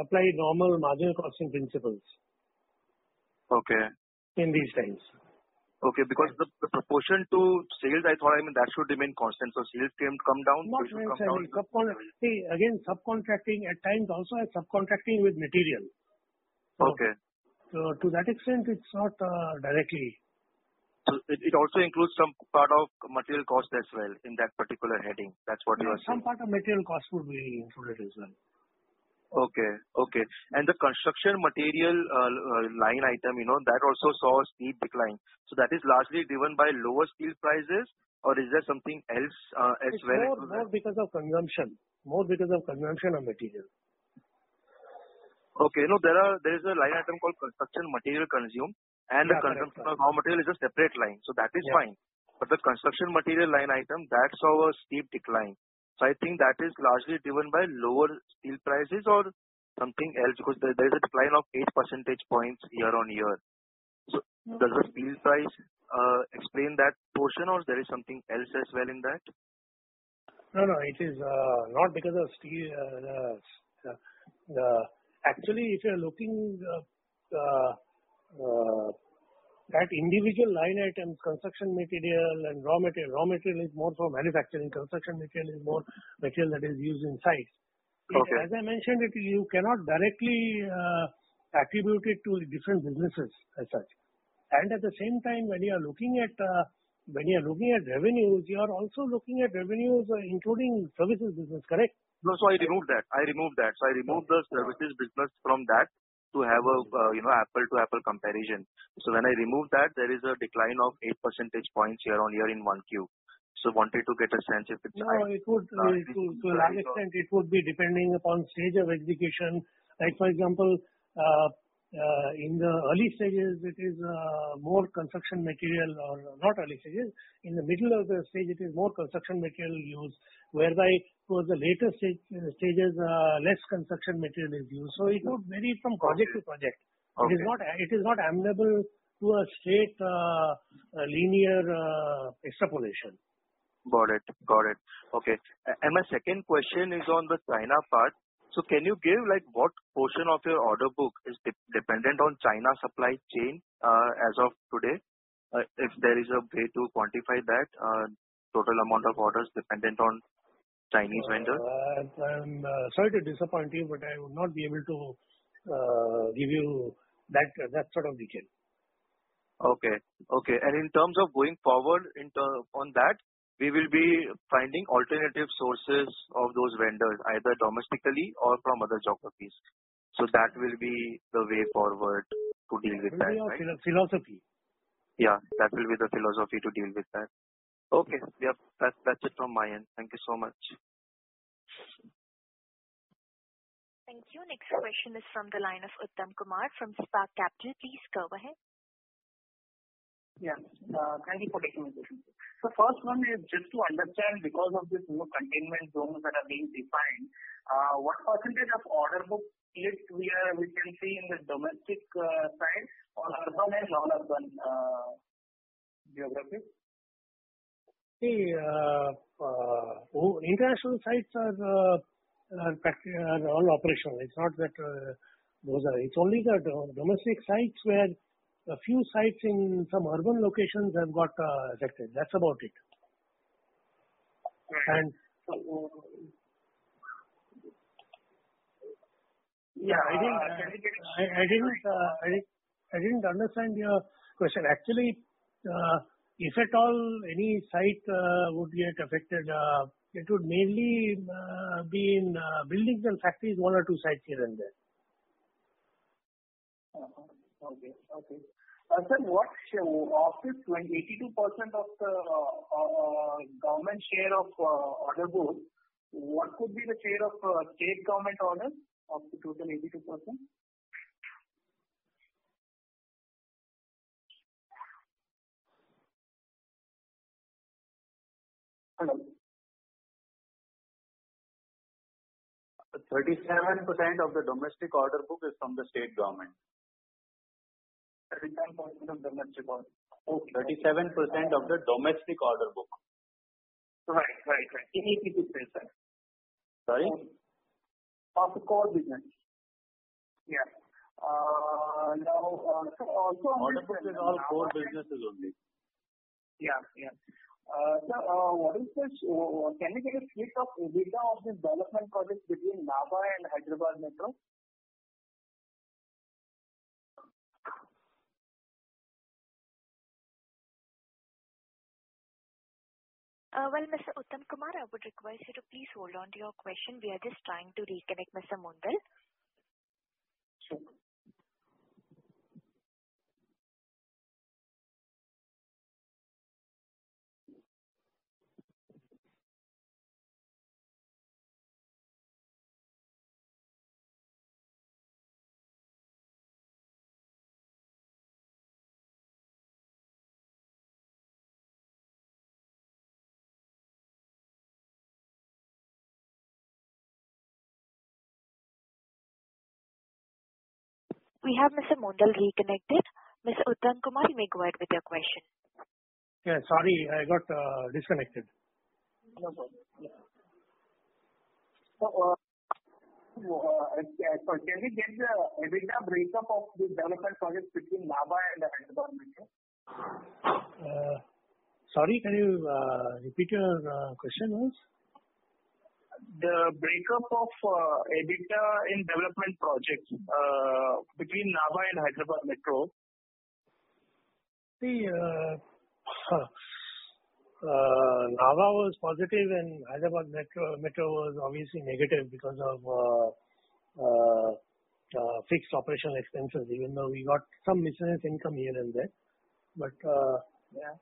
apply normal marginal costing principles. Okay. In these times. Okay. The proportion to sales, I thought that should remain constant. Sales come down. No, see, again, subcontracting at times also has subcontracting with material. Okay. To that extent, it's not directly. It also includes some part of material cost as well in that particular heading. That's what you are saying? Yeah. Some part of material cost would be included as well. Okay. The construction material line item, that also saw a steep decline. That is largely driven by lower steel prices or is there something else as well? It's more because of consumption on material. Okay. There is a line item called construction material consumed and the consumption of raw material is a separate line. That is fine. The construction material line item, that saw a steep decline. I think that is largely driven by lower steel prices or something else, because there's a decline of 8% points year-on-year. Does the steel price explain that portion or there is something else as well in that? No, it is not because of steel. Actually, if you're looking at individual line items, construction material and raw material, raw material is more for manufacturing. Construction material is more material that is used in sites. Okay. As I mentioned, you cannot directly attribute it to different businesses as such. At the same time, when you are looking at revenues, you are also looking at revenues including services business, correct? No. I removed that. I removed the services business from that to have an apple to apple comparison. When I removed that, there is a decline of 8% points year on year in one Q. Wanted to get a sense if it's. No, to a large extent, it would be depending upon stage of execution. Like for example, In the middle of the stage, it is more construction material used, whereby towards the later stages, less construction material is used. It would vary from project to project. Okay. It is not amenable to a straight linear extrapolation. Got it. Okay. My second question is on the China part. Can you give what portion of your order book is dependent on China supply chain as of today? If there is a way to quantify that total amount of orders dependent on Chinese vendors. I'm sorry to disappoint you, but I would not be able to give you that sort of detail. Okay. In terms of going forward on that, we will be finding alternative sources of those vendors, either domestically or from other geographies. That will be the way forward to deal with that, right? That will be our philosophy. Yeah. That will be the philosophy to deal with that. Okay. Yep. That's it from my end. Thank you so much. Thank you. Next question is from the line of Uttam Kumar from Spark Capital. Please go ahead. Yes. Thank you for taking the question. First one is just to understand, because of these new containment zones that are being defined, what % of order book is clear we can see in the domestic side, all urban and non-urban geographies? See, international sites are all operational. It's only the domestic sites where a few sites in some urban locations have got affected. That's about it. Okay. I didn't understand your question. Actually, if at all any site would get affected, it would mainly be in buildings and factories, one or two sites here and there. Okay. Sir, of this 82% of the government share of order book, what would be the share of state government orders of the total 82%? Hello. 37% of the domestic order book is from the state government. 37% of the domestic order book. Okay. 37% of the domestic order book. Right. In 82%, sir. Sorry? Of the core business. Yeah. Order book is all core businesses only. Yeah. Sir, can we get a split of EBITDA of this development project between Nabha and Hyderabad Metro? Well, Mr. Uttam Kumar, I would request you to please hold on to your question. We are just trying to reconnect Mr. Mondal. We have Mr. Mondal reconnected. Mr. Uttam Kumar, you may go ahead with your question. Yeah, sorry, I got disconnected. No problem. Can we get the EBITDA breakup of the development project between Nabha and Hyderabad Metro? Sorry, can you repeat your question once? The breakup of EBITDA in development projects between Nabha and Hyderabad Metro. See, Nabha was positive and Hyderabad Metro was obviously negative because of fixed operational expenses, even though we got some miscellaneous income here and there. Yeah.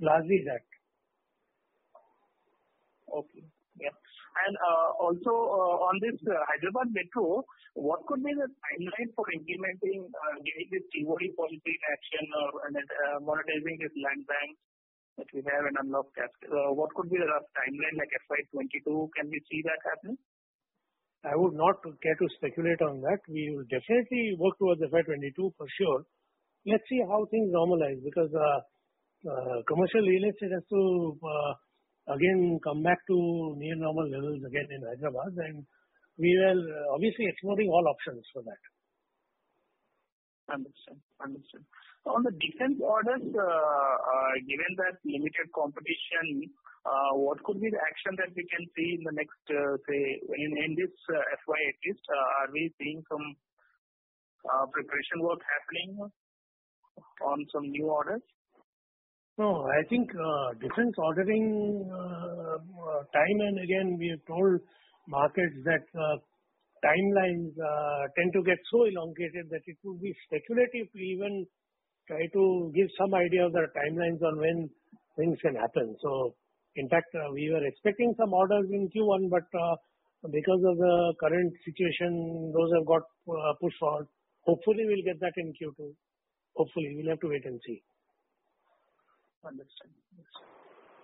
Largely that. Okay. Yeah. Also on this Hyderabad Metro, what could be the timeline for implementing, given this CRE policy action or monetizing this land bank that we have and unlock capital? What could be the rough timeline, like FY 2022, can we see that happen? I would not care to speculate on that. We will definitely work towards FY 2022 for sure. Let's see how things normalize, because commercial real estate has to, again, come back to near normal levels again in Hyderabad, and we are obviously exploring all options for that. Understood. On the defense orders, given that limited competition, what could be the action that we can see in this FY at least? Are we seeing some preparation work happening on some new orders? No, I think, defense ordering, time and again, we have told markets that timelines tend to get so elongated that it would be speculative to even try to give some idea of the timelines on when things can happen. In fact, we were expecting some orders in Q1, but because of the current situation, those have got pushed on. Hopefully, we'll get that in Q2. Hopefully. We'll have to wait and see. Understood.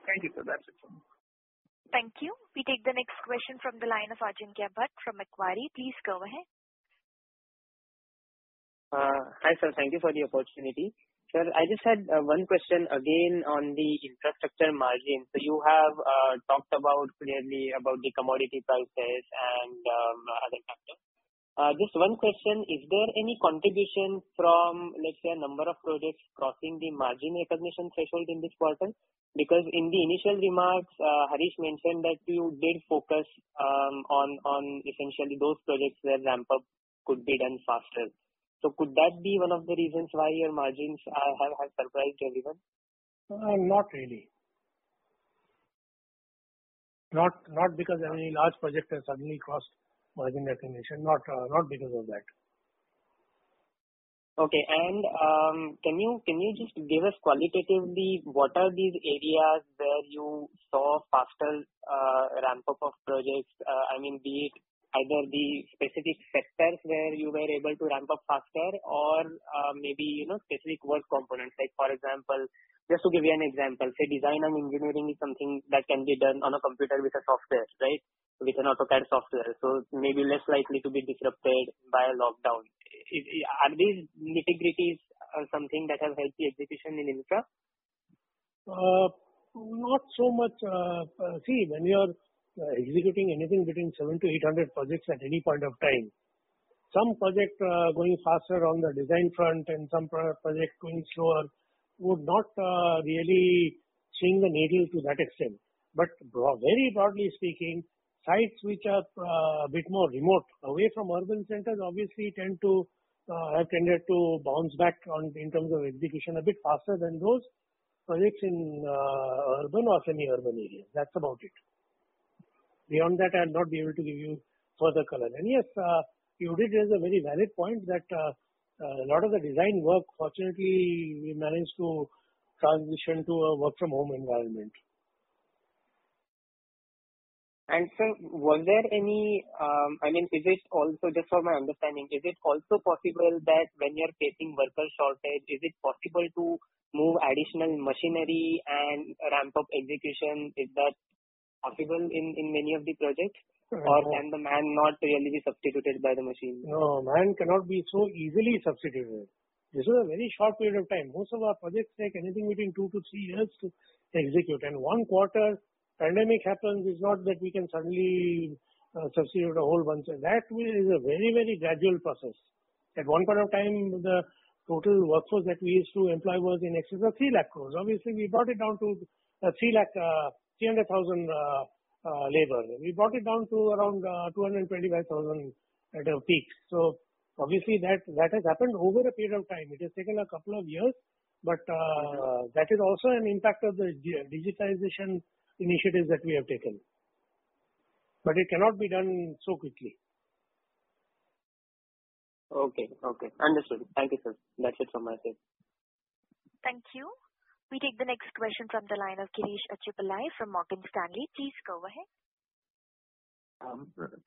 Thank you, sir. That's it from me. Thank you. We take the next question from the line of Ajinkya Bhat from Macquarie. Please go ahead. Hi, sir. Thank you for the opportunity. Sir, I just had one question again on the infrastructure margin. You have talked clearly about the commodity prices and other factors. Just one question, is there any contribution from, let's say, a number of projects crossing the margin recognition threshold in this quarter? Because in the initial remarks, Harish mentioned that you did focus on essentially those projects where ramp-up could be done faster. Could that be one of the reasons why your margins have surprised everyone? No, not really. Not because any large project has suddenly crossed margin recognition. Not because of that. Okay. Can you just give us qualitatively what are these areas where you saw faster ramp-up of projects? Be it either the specific sectors where you were able to ramp up faster or maybe specific work components. For example, just to give you an example, say design and engineering is something that can be done on a computer with a software. With an AutoCAD software. It may be less likely to be disrupted by a lockdown. Are these nitty-gritties something that have helped the execution in infra? Not so much. When you are executing anything between 700 to 800 projects at any point of time, some projects are going faster on the design front and some projects going slower would not really swing the needle to that extent. Very broadly speaking, sites which are a bit more remote away from urban centers obviously have tended to bounce back in terms of execution a bit faster than those projects in urban or semi-urban areas. That's about it. Beyond that, I'll not be able to give you further color. Yes, you did raise a very valid point that a lot of the design work, fortunately, we managed to transition to a work-from-home environment. Sir, just for my understanding, is it also possible that when you're facing worker shortage, is it possible to move additional machinery and ramp up execution? Is that possible in many of the projects? Or can the man not really be substituted by the machine? No. Man cannot be so easily substituted. This is a very short period of time. Most of our projects take anything between two to three years to execute. One quarter pandemic happens, it's not that we can suddenly substitute a whole bunch. That is a very gradual process. At one point of time, the total workforce that we used to employ was in excess of 300,000 labors. We brought it down to around 225,000 at our peak. Obviously that has happened over a period of time. It has taken a couple of years. That is also an impact of the digitization initiatives that we have taken. It cannot be done so quickly. Okay. Understood. Thank you, sir. That's it from my side. Thank you. We take the next question from the line of Girish Achhipilay from Morgan Stanley. Please go ahead.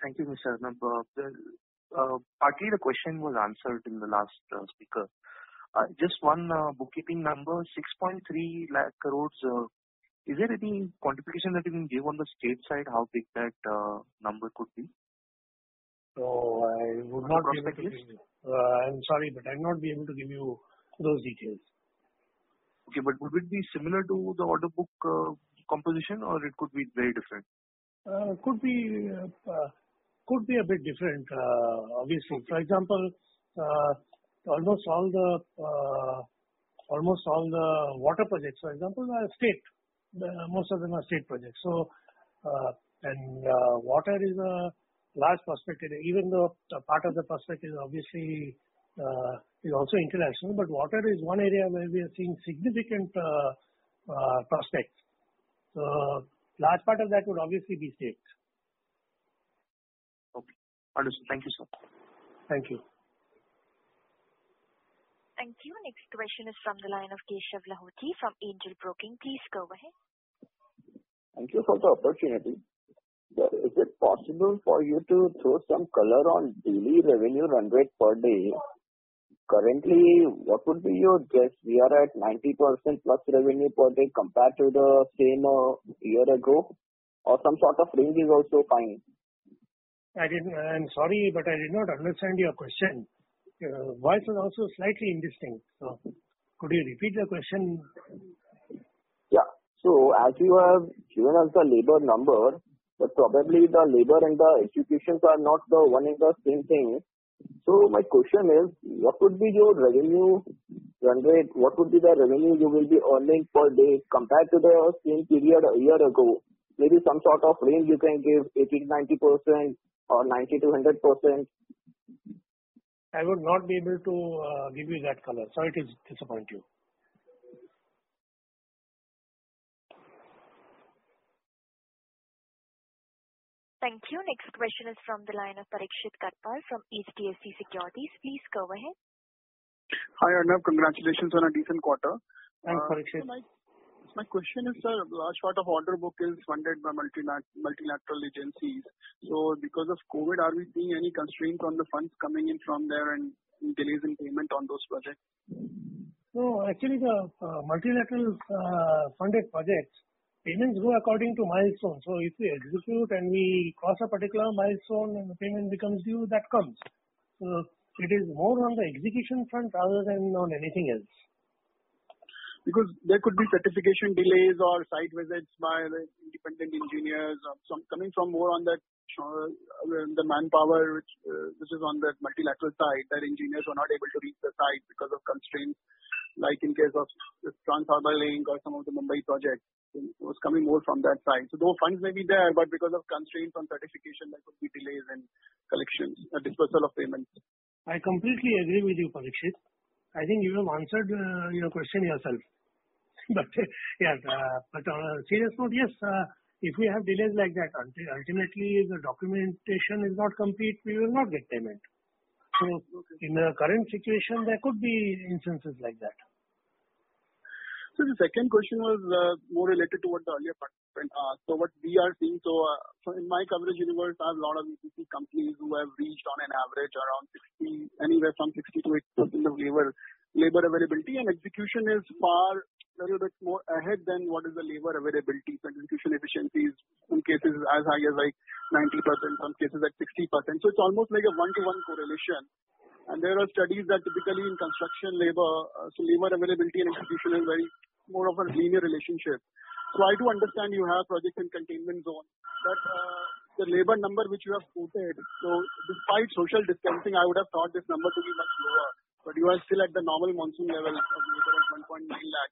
Thank you, Mr. Arnob. Partly the question was answered in the last speaker. Just one bookkeeping number, 630,000 crores. Is there any quantification that you can give on the state side how big that number could be? I would not be able to give you. Across the case? I'm sorry, but I'll not be able to give you those details. Okay. Would it be similar to the order book composition, or it could be very different? Could be a bit different, obviously. For example, almost all the water projects, for example, are state. Most of them are state projects. Water is a large prospective. Even though part of the prospective obviously is also international. Water is one area where we are seeing significant prospects. A large part of that would obviously be states. Okay. Understood. Thank you, sir. Thank you. Thank you. Next question is from the line of Keshav Lahoti from Angel Broking. Please go ahead. Thank you for the opportunity. Sir, is it possible for you to throw some color on daily revenue run rate per day? Currently, what would be your guess? We are at 90% plus revenue per day compared to the same year ago, or some sort of range is also fine. I'm sorry, I did not understand your question. Your voice was also slightly indistinct. Could you repeat the question? Yeah. As you have given us the labor number, but probably the labor and the executions are not one and the same thing. My question is, what would be your revenue run rate? What would be the revenue you will be earning per day compared to the same period a year ago? Maybe some sort of range you can give, 80%-90% or 90%-100%? I would not be able to give you that color. Sorry to disappoint you. Thank you. Next question is from the line of Parikshit Kandpal from HDFC Securities. Please go ahead. Hi, Arnob. Congratulations on a decent quarter. Thanks, Parikshit. My question is, sir, a large part of order book is funded by multilateral agencies. Because of COVID, are we seeing any constraint on the funds coming in from there and delays in payment on those projects? Actually the multilateral funded projects, payments go according to milestones. If we execute and we cross a particular milestone and the payment becomes due, that comes. It is more on the execution front rather than on anything else. Because there could be certification delays or site visits by the independent engineers, coming from more on the manpower, which is on the multilateral side, that engineers were not able to reach the site because of constraints, like in case of the Trans Harbour Link or some of the Mumbai projects. It was coming more from that side. Those funds may be there, but because of constraints on certification, there could be delays in collections or dispersal of payments. I completely agree with you, Parikshit. I think you have answered your question yourself. Yes. On a serious note, yes. If we have delays like that, ultimately, if the documentation is not complete, we will not get payment. In the current situation, there could be instances like that. The second question was more related to what the earlier participant asked. What we are seeing. In my coverage universe, I have a lot of EPC companies who have reached on an average anywhere from 60%-80% of labor availability, and execution is far, a little bit more ahead than what is the labor availability. Execution efficiencies in cases as high as 90%, some cases at 60%. It's almost like a one-to-one correlation. There are studies that typically in construction labor availability and execution is more of a linear relationship. I do understand you have projects in containment zone, but the labor number which you have quoted, despite social distancing, I would have thought this number to be much lower. You are still at the normal monsoon level of labor at 1.9 lakh.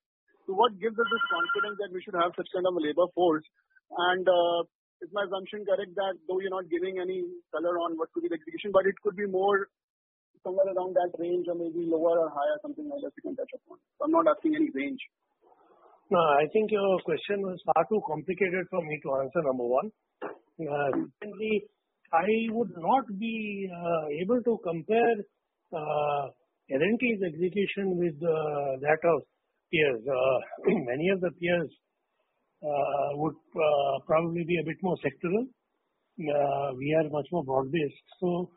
What gives us this confidence that we should have such kind of a labor force? Is my assumption correct that though you're not giving any color on what could be the execution, but it could be more somewhere around that range or maybe lower or higher, something like that you can touch upon. I'm not asking any range. No, I think your question was far too complicated for me to answer, number one. Secondly, I would not be able to compare L&T's execution with that of peers. Many of the peers would probably be a bit more sectoral. We are much more broad-based.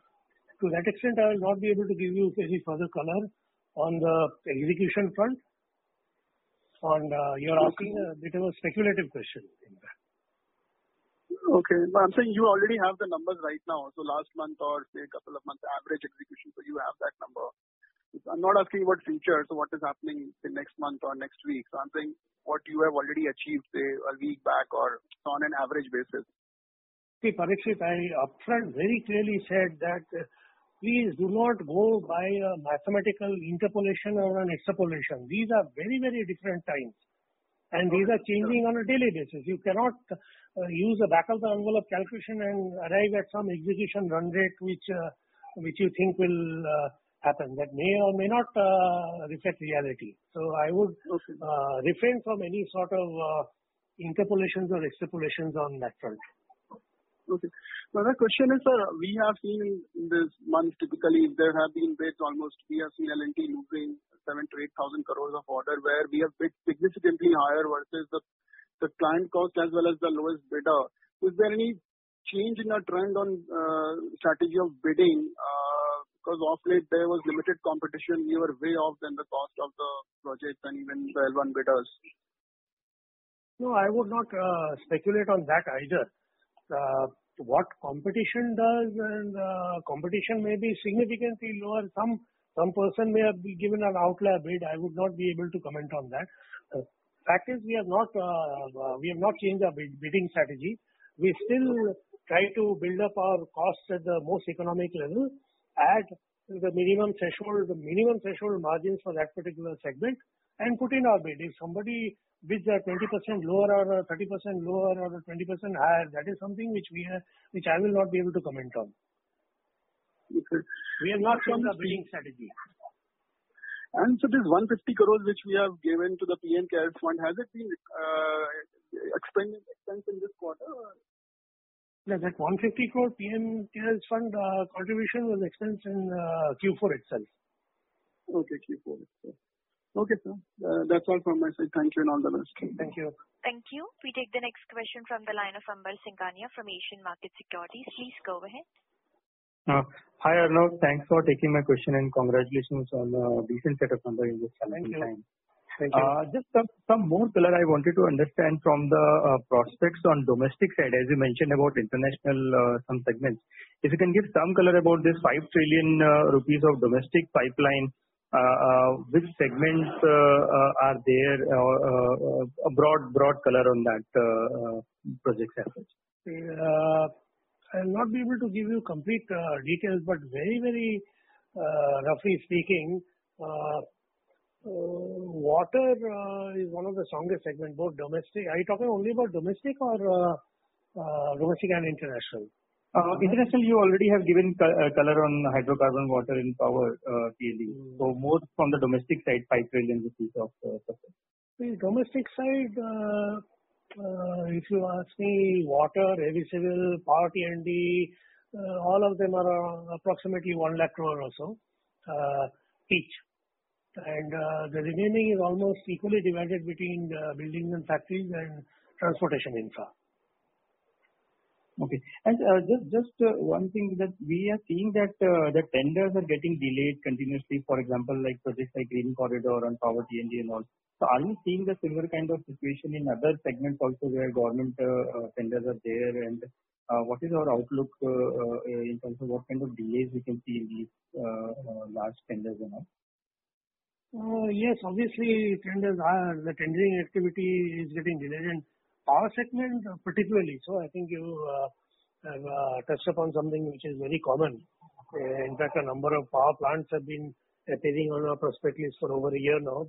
To that extent, I will not be able to give you any further color on the execution front. You're asking a bit of a speculative question in that. Okay. I'm saying you already have the numbers right now. Last month or say a couple of months' average execution. You have that number. I'm not asking about future. What is happening say next month or next week. I'm saying what you have already achieved, say, a week back or on an average basis. See, Parikshit, I upfront very clearly said that please do not go by a mathematical interpolation or an extrapolation. These are very different times, and these are changing on a daily basis. You cannot use the back of the envelope calculation and arrive at some execution run rate, which you think will happen. That may or may not reflect reality. Okay refrain from any sort of interpolations or extrapolations on that front. Okay. My other question is, sir, we have seen this month, typically, there have been bids almost, we have seen L&T looping 7,000 crore-8,000 crore of order where we have bid significantly higher versus the client cost as well as the lowest bidder. Is there any change in our trend on strategy of bidding? Of late there was limited competition. You were way off than the cost of the project and even the L1 bidders. No, I would not speculate on that either. What competition does and competition may be significantly lower. Some person may have given an outlier bid. I would not be able to comment on that. The fact is we have not changed our bidding strategy. We still try to build up our costs at the most economic level, at the minimum threshold margins for that particular segment, and put in our bid. If somebody bids at 20% lower or 30% lower or 20% higher, that is something which I will not be able to comment on. Okay. We have not changed our bidding strategy. Sir, this 150 crore which we have given to the PM-CARES Fund, has it been expensed in this quarter? Yes, that 150 crore PM CARES Fund contribution was expensed in Q4 itself. Okay. Q4 itself. Okay, sir. That's all from my side. Thank you and all the best. Thank you. Thank you. We take the next question from the line of Ambalal Singhania from Asian Market Securities. Please go ahead. Hi, Arnob. Thanks for taking my question, and congratulations on a decent set of numbers in this difficult time. Thank you. Just some more color I wanted to understand from the prospects on domestic side, as you mentioned about international, some segments. If you can give some color about this 5 trillion rupees of domestic pipeline, which segments are there, a broad color on that project as such. I'll not be able to give you complete details, but very roughly speaking, water is one of the strongest segments, both domestic. Are you talking only about domestic or domestic and international? International, you already have given color on hydrocarbon, water, and power previously. More from the domestic side, 5 trillion rupees of See, domestic side, if you ask me, water, heavy civil, Power T&D, all of them are approximately 1 lakh crore or so each. The remaining is almost equally divided between buildings and factories and transportation infra. Okay. Just one thing that we are seeing that the tenders are getting delayed continuously, for example, projects like Green Corridor and Power T&D and all. Are you seeing the similar kind of situation in other segments also where government tenders are there? What is our outlook in terms of what kind of delays we can see in these large tenders and all? Yes, obviously, the tendering activity is getting delayed and power segment, particularly. I think you have touched upon something which is very common. Okay. In fact, a number of power plants have been sitting on our prospectus for over a year now.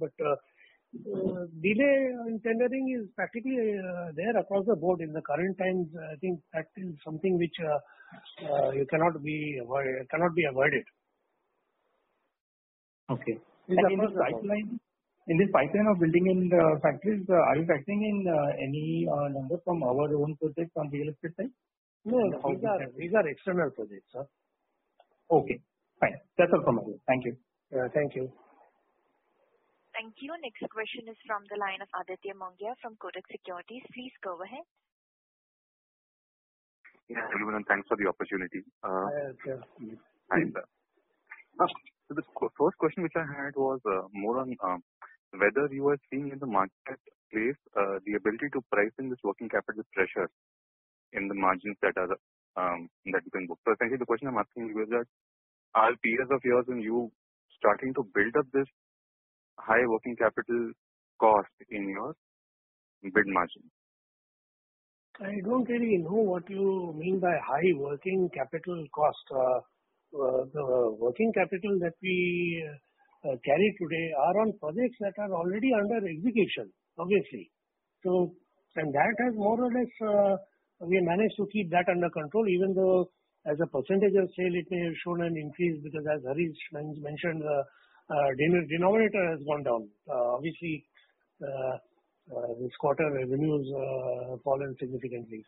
Delay in tendering is practically there across the board. In the current times, I think that is something which cannot be avoided. Okay. In this pipeline of building in the factories, are you factoring in any number from our own projects from the electric side? No, these are external projects, sir. Okay, fine. That's all from my end. Thank you. Thank you. Thank you. Next question is from the line of Aditya Mongia from Kotak Securities. Please go ahead. Hello, everyone, and thanks for the opportunity. Yes. The first question which I had was more on whether you are seeing in the marketplace the ability to price in this working capital pressure in the margins that you can book. Essentially the question I'm asking you is that are peers of yours and you starting to build up this high working capital cost in your bid margin? I don't really know what you mean by high working capital cost. The working capital that we carry today are on projects that are already under execution, obviously. That has more or less, we have managed to keep that under control, even though as a percentage of sale, it may have shown an increase because as Harish mentioned, our denominator has gone down. This quarter revenues have fallen significantly.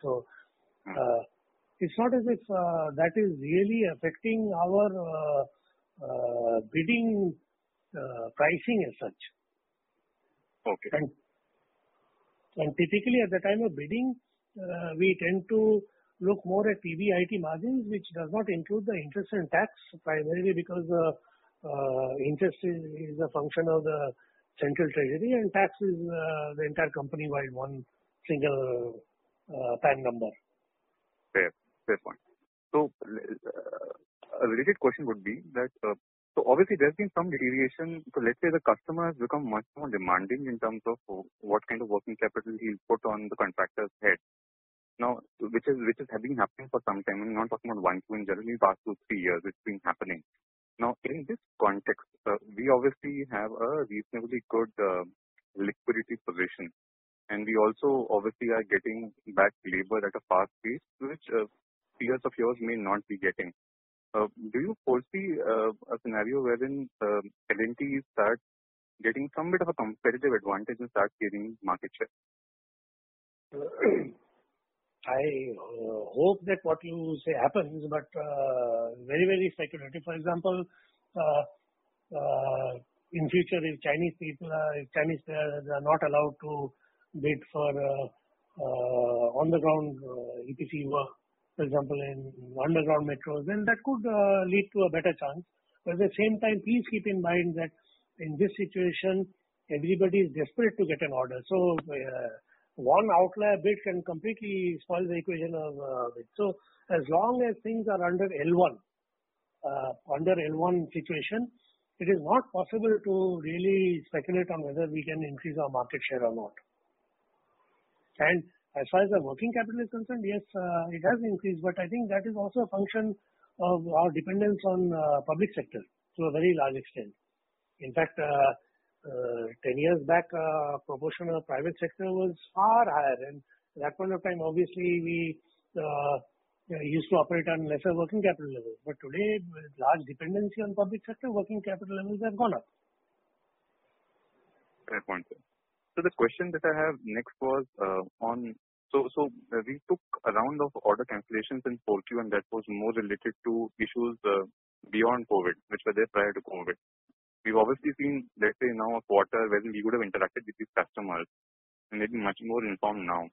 It's not as if that is really affecting our bidding pricing as such. Okay. Typically at the time of bidding, we tend to look more at PBIT margins, which does not include the interest and tax, primarily because interest is a function of the central treasury and tax is the entire company-wide one single pane number. Fair point. A related question would be that, so obviously there's been some deterioration. Let's say the customer has become much more demanding in terms of what kind of working capital he'll put on the contractor's head. Which has been happening for some time. I'm not talking about one, two, in generally past two, three years it's been happening. In this context, we obviously have a reasonably good liquidity position, and we also obviously are getting back labor at a fast pace, which peers of yours may not be getting. Do you foresee a scenario wherein L&T starts getting some bit of a competitive advantage and starts gaining market share? I hope that what you say happens. Very speculative. For example, in future if Chinese sellers are not allowed to bid for underground EPC work, for example, in underground metros, then that could lead to a better chance. At the same time, please keep in mind that in this situation, everybody's desperate to get an order. One outlier bid can completely spoil the equation of a bid. As long as things are under L1 situation, it is not possible to really speculate on whether we can increase our market share or not. As far as the working capital is concerned, yes, it has increased, but I think that is also a function of our dependence on public sector to a very large extent. In fact, 10 years back, proportion of private sector was far higher, and at that point of time, obviously, we used to operate on lesser working capital levels. Today, with large dependency on public sector, working capital levels have gone up. Fair point, sir. The question that I have next was on, we took a round of order cancellations in 4Q, and that was more related to issues beyond COVID, which were there prior to COVID. We've obviously seen, let's say, now a quarter wherein we would have interacted with these customers and may be much more informed now.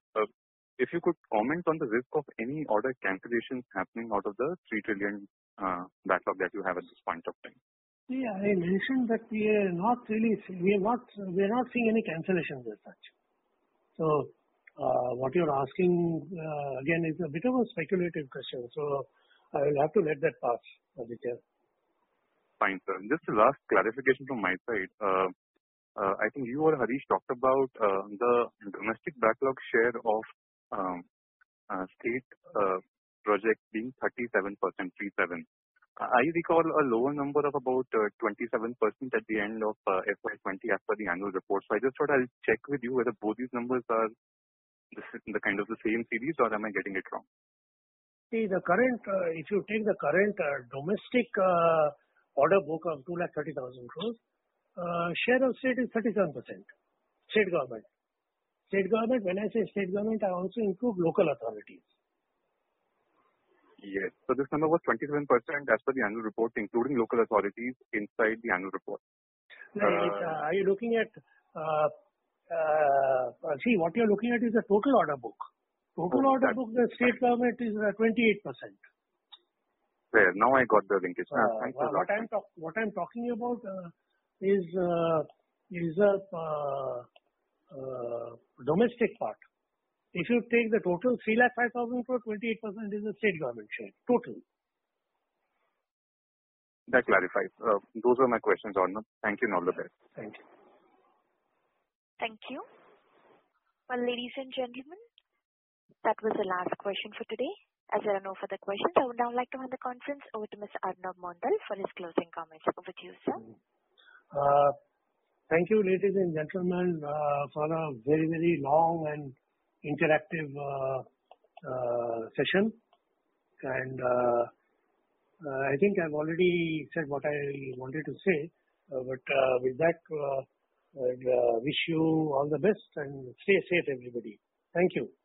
If you could comment on the risk of any order cancellations happening out of the 3 trillion backlog that you have at this point of time. See, I mentioned that we are not seeing any cancellations as such. What you're asking again is a bit of a speculative question. I will have to let that pass, Aditya. Fine, sir. Just a last clarification from my side. I think you or Harish talked about the domestic backlog share of state projects being 37%, three seven. I recall a lower number of about 27% at the end of FY 2020 as per the annual report. I just thought I'll check with you whether both these numbers are kind of the same series or am I getting it wrong? If you take the current domestic order book of 230,000 crores, share of state is 37%, state government. When I say state government, I also include local authorities. Yes. This number was 27% as per the annual report, including local authorities inside the annual report. No. See, what you're looking at is the total order book. Total order book, the state government is 28%. Fair. Now I got the linkage. Thank you so much. What I'm talking about is the domestic part. If you take the total 305,000 crore, 28% is the state government share. Total. That clarifies. Those were my questions, Arnob. Thank you and all the best. Thank you. Thank you. Well, ladies and gentlemen, that was the last question for today. As there are no further questions, I would now like to hand the conference over to Mr. Arnob Mondal for his closing comments. Over to you, sir. Thank you, ladies and gentlemen, for a very long and interactive session. I think I've already said what I wanted to say. With that, I wish you all the best, and stay safe, everybody. Thank you.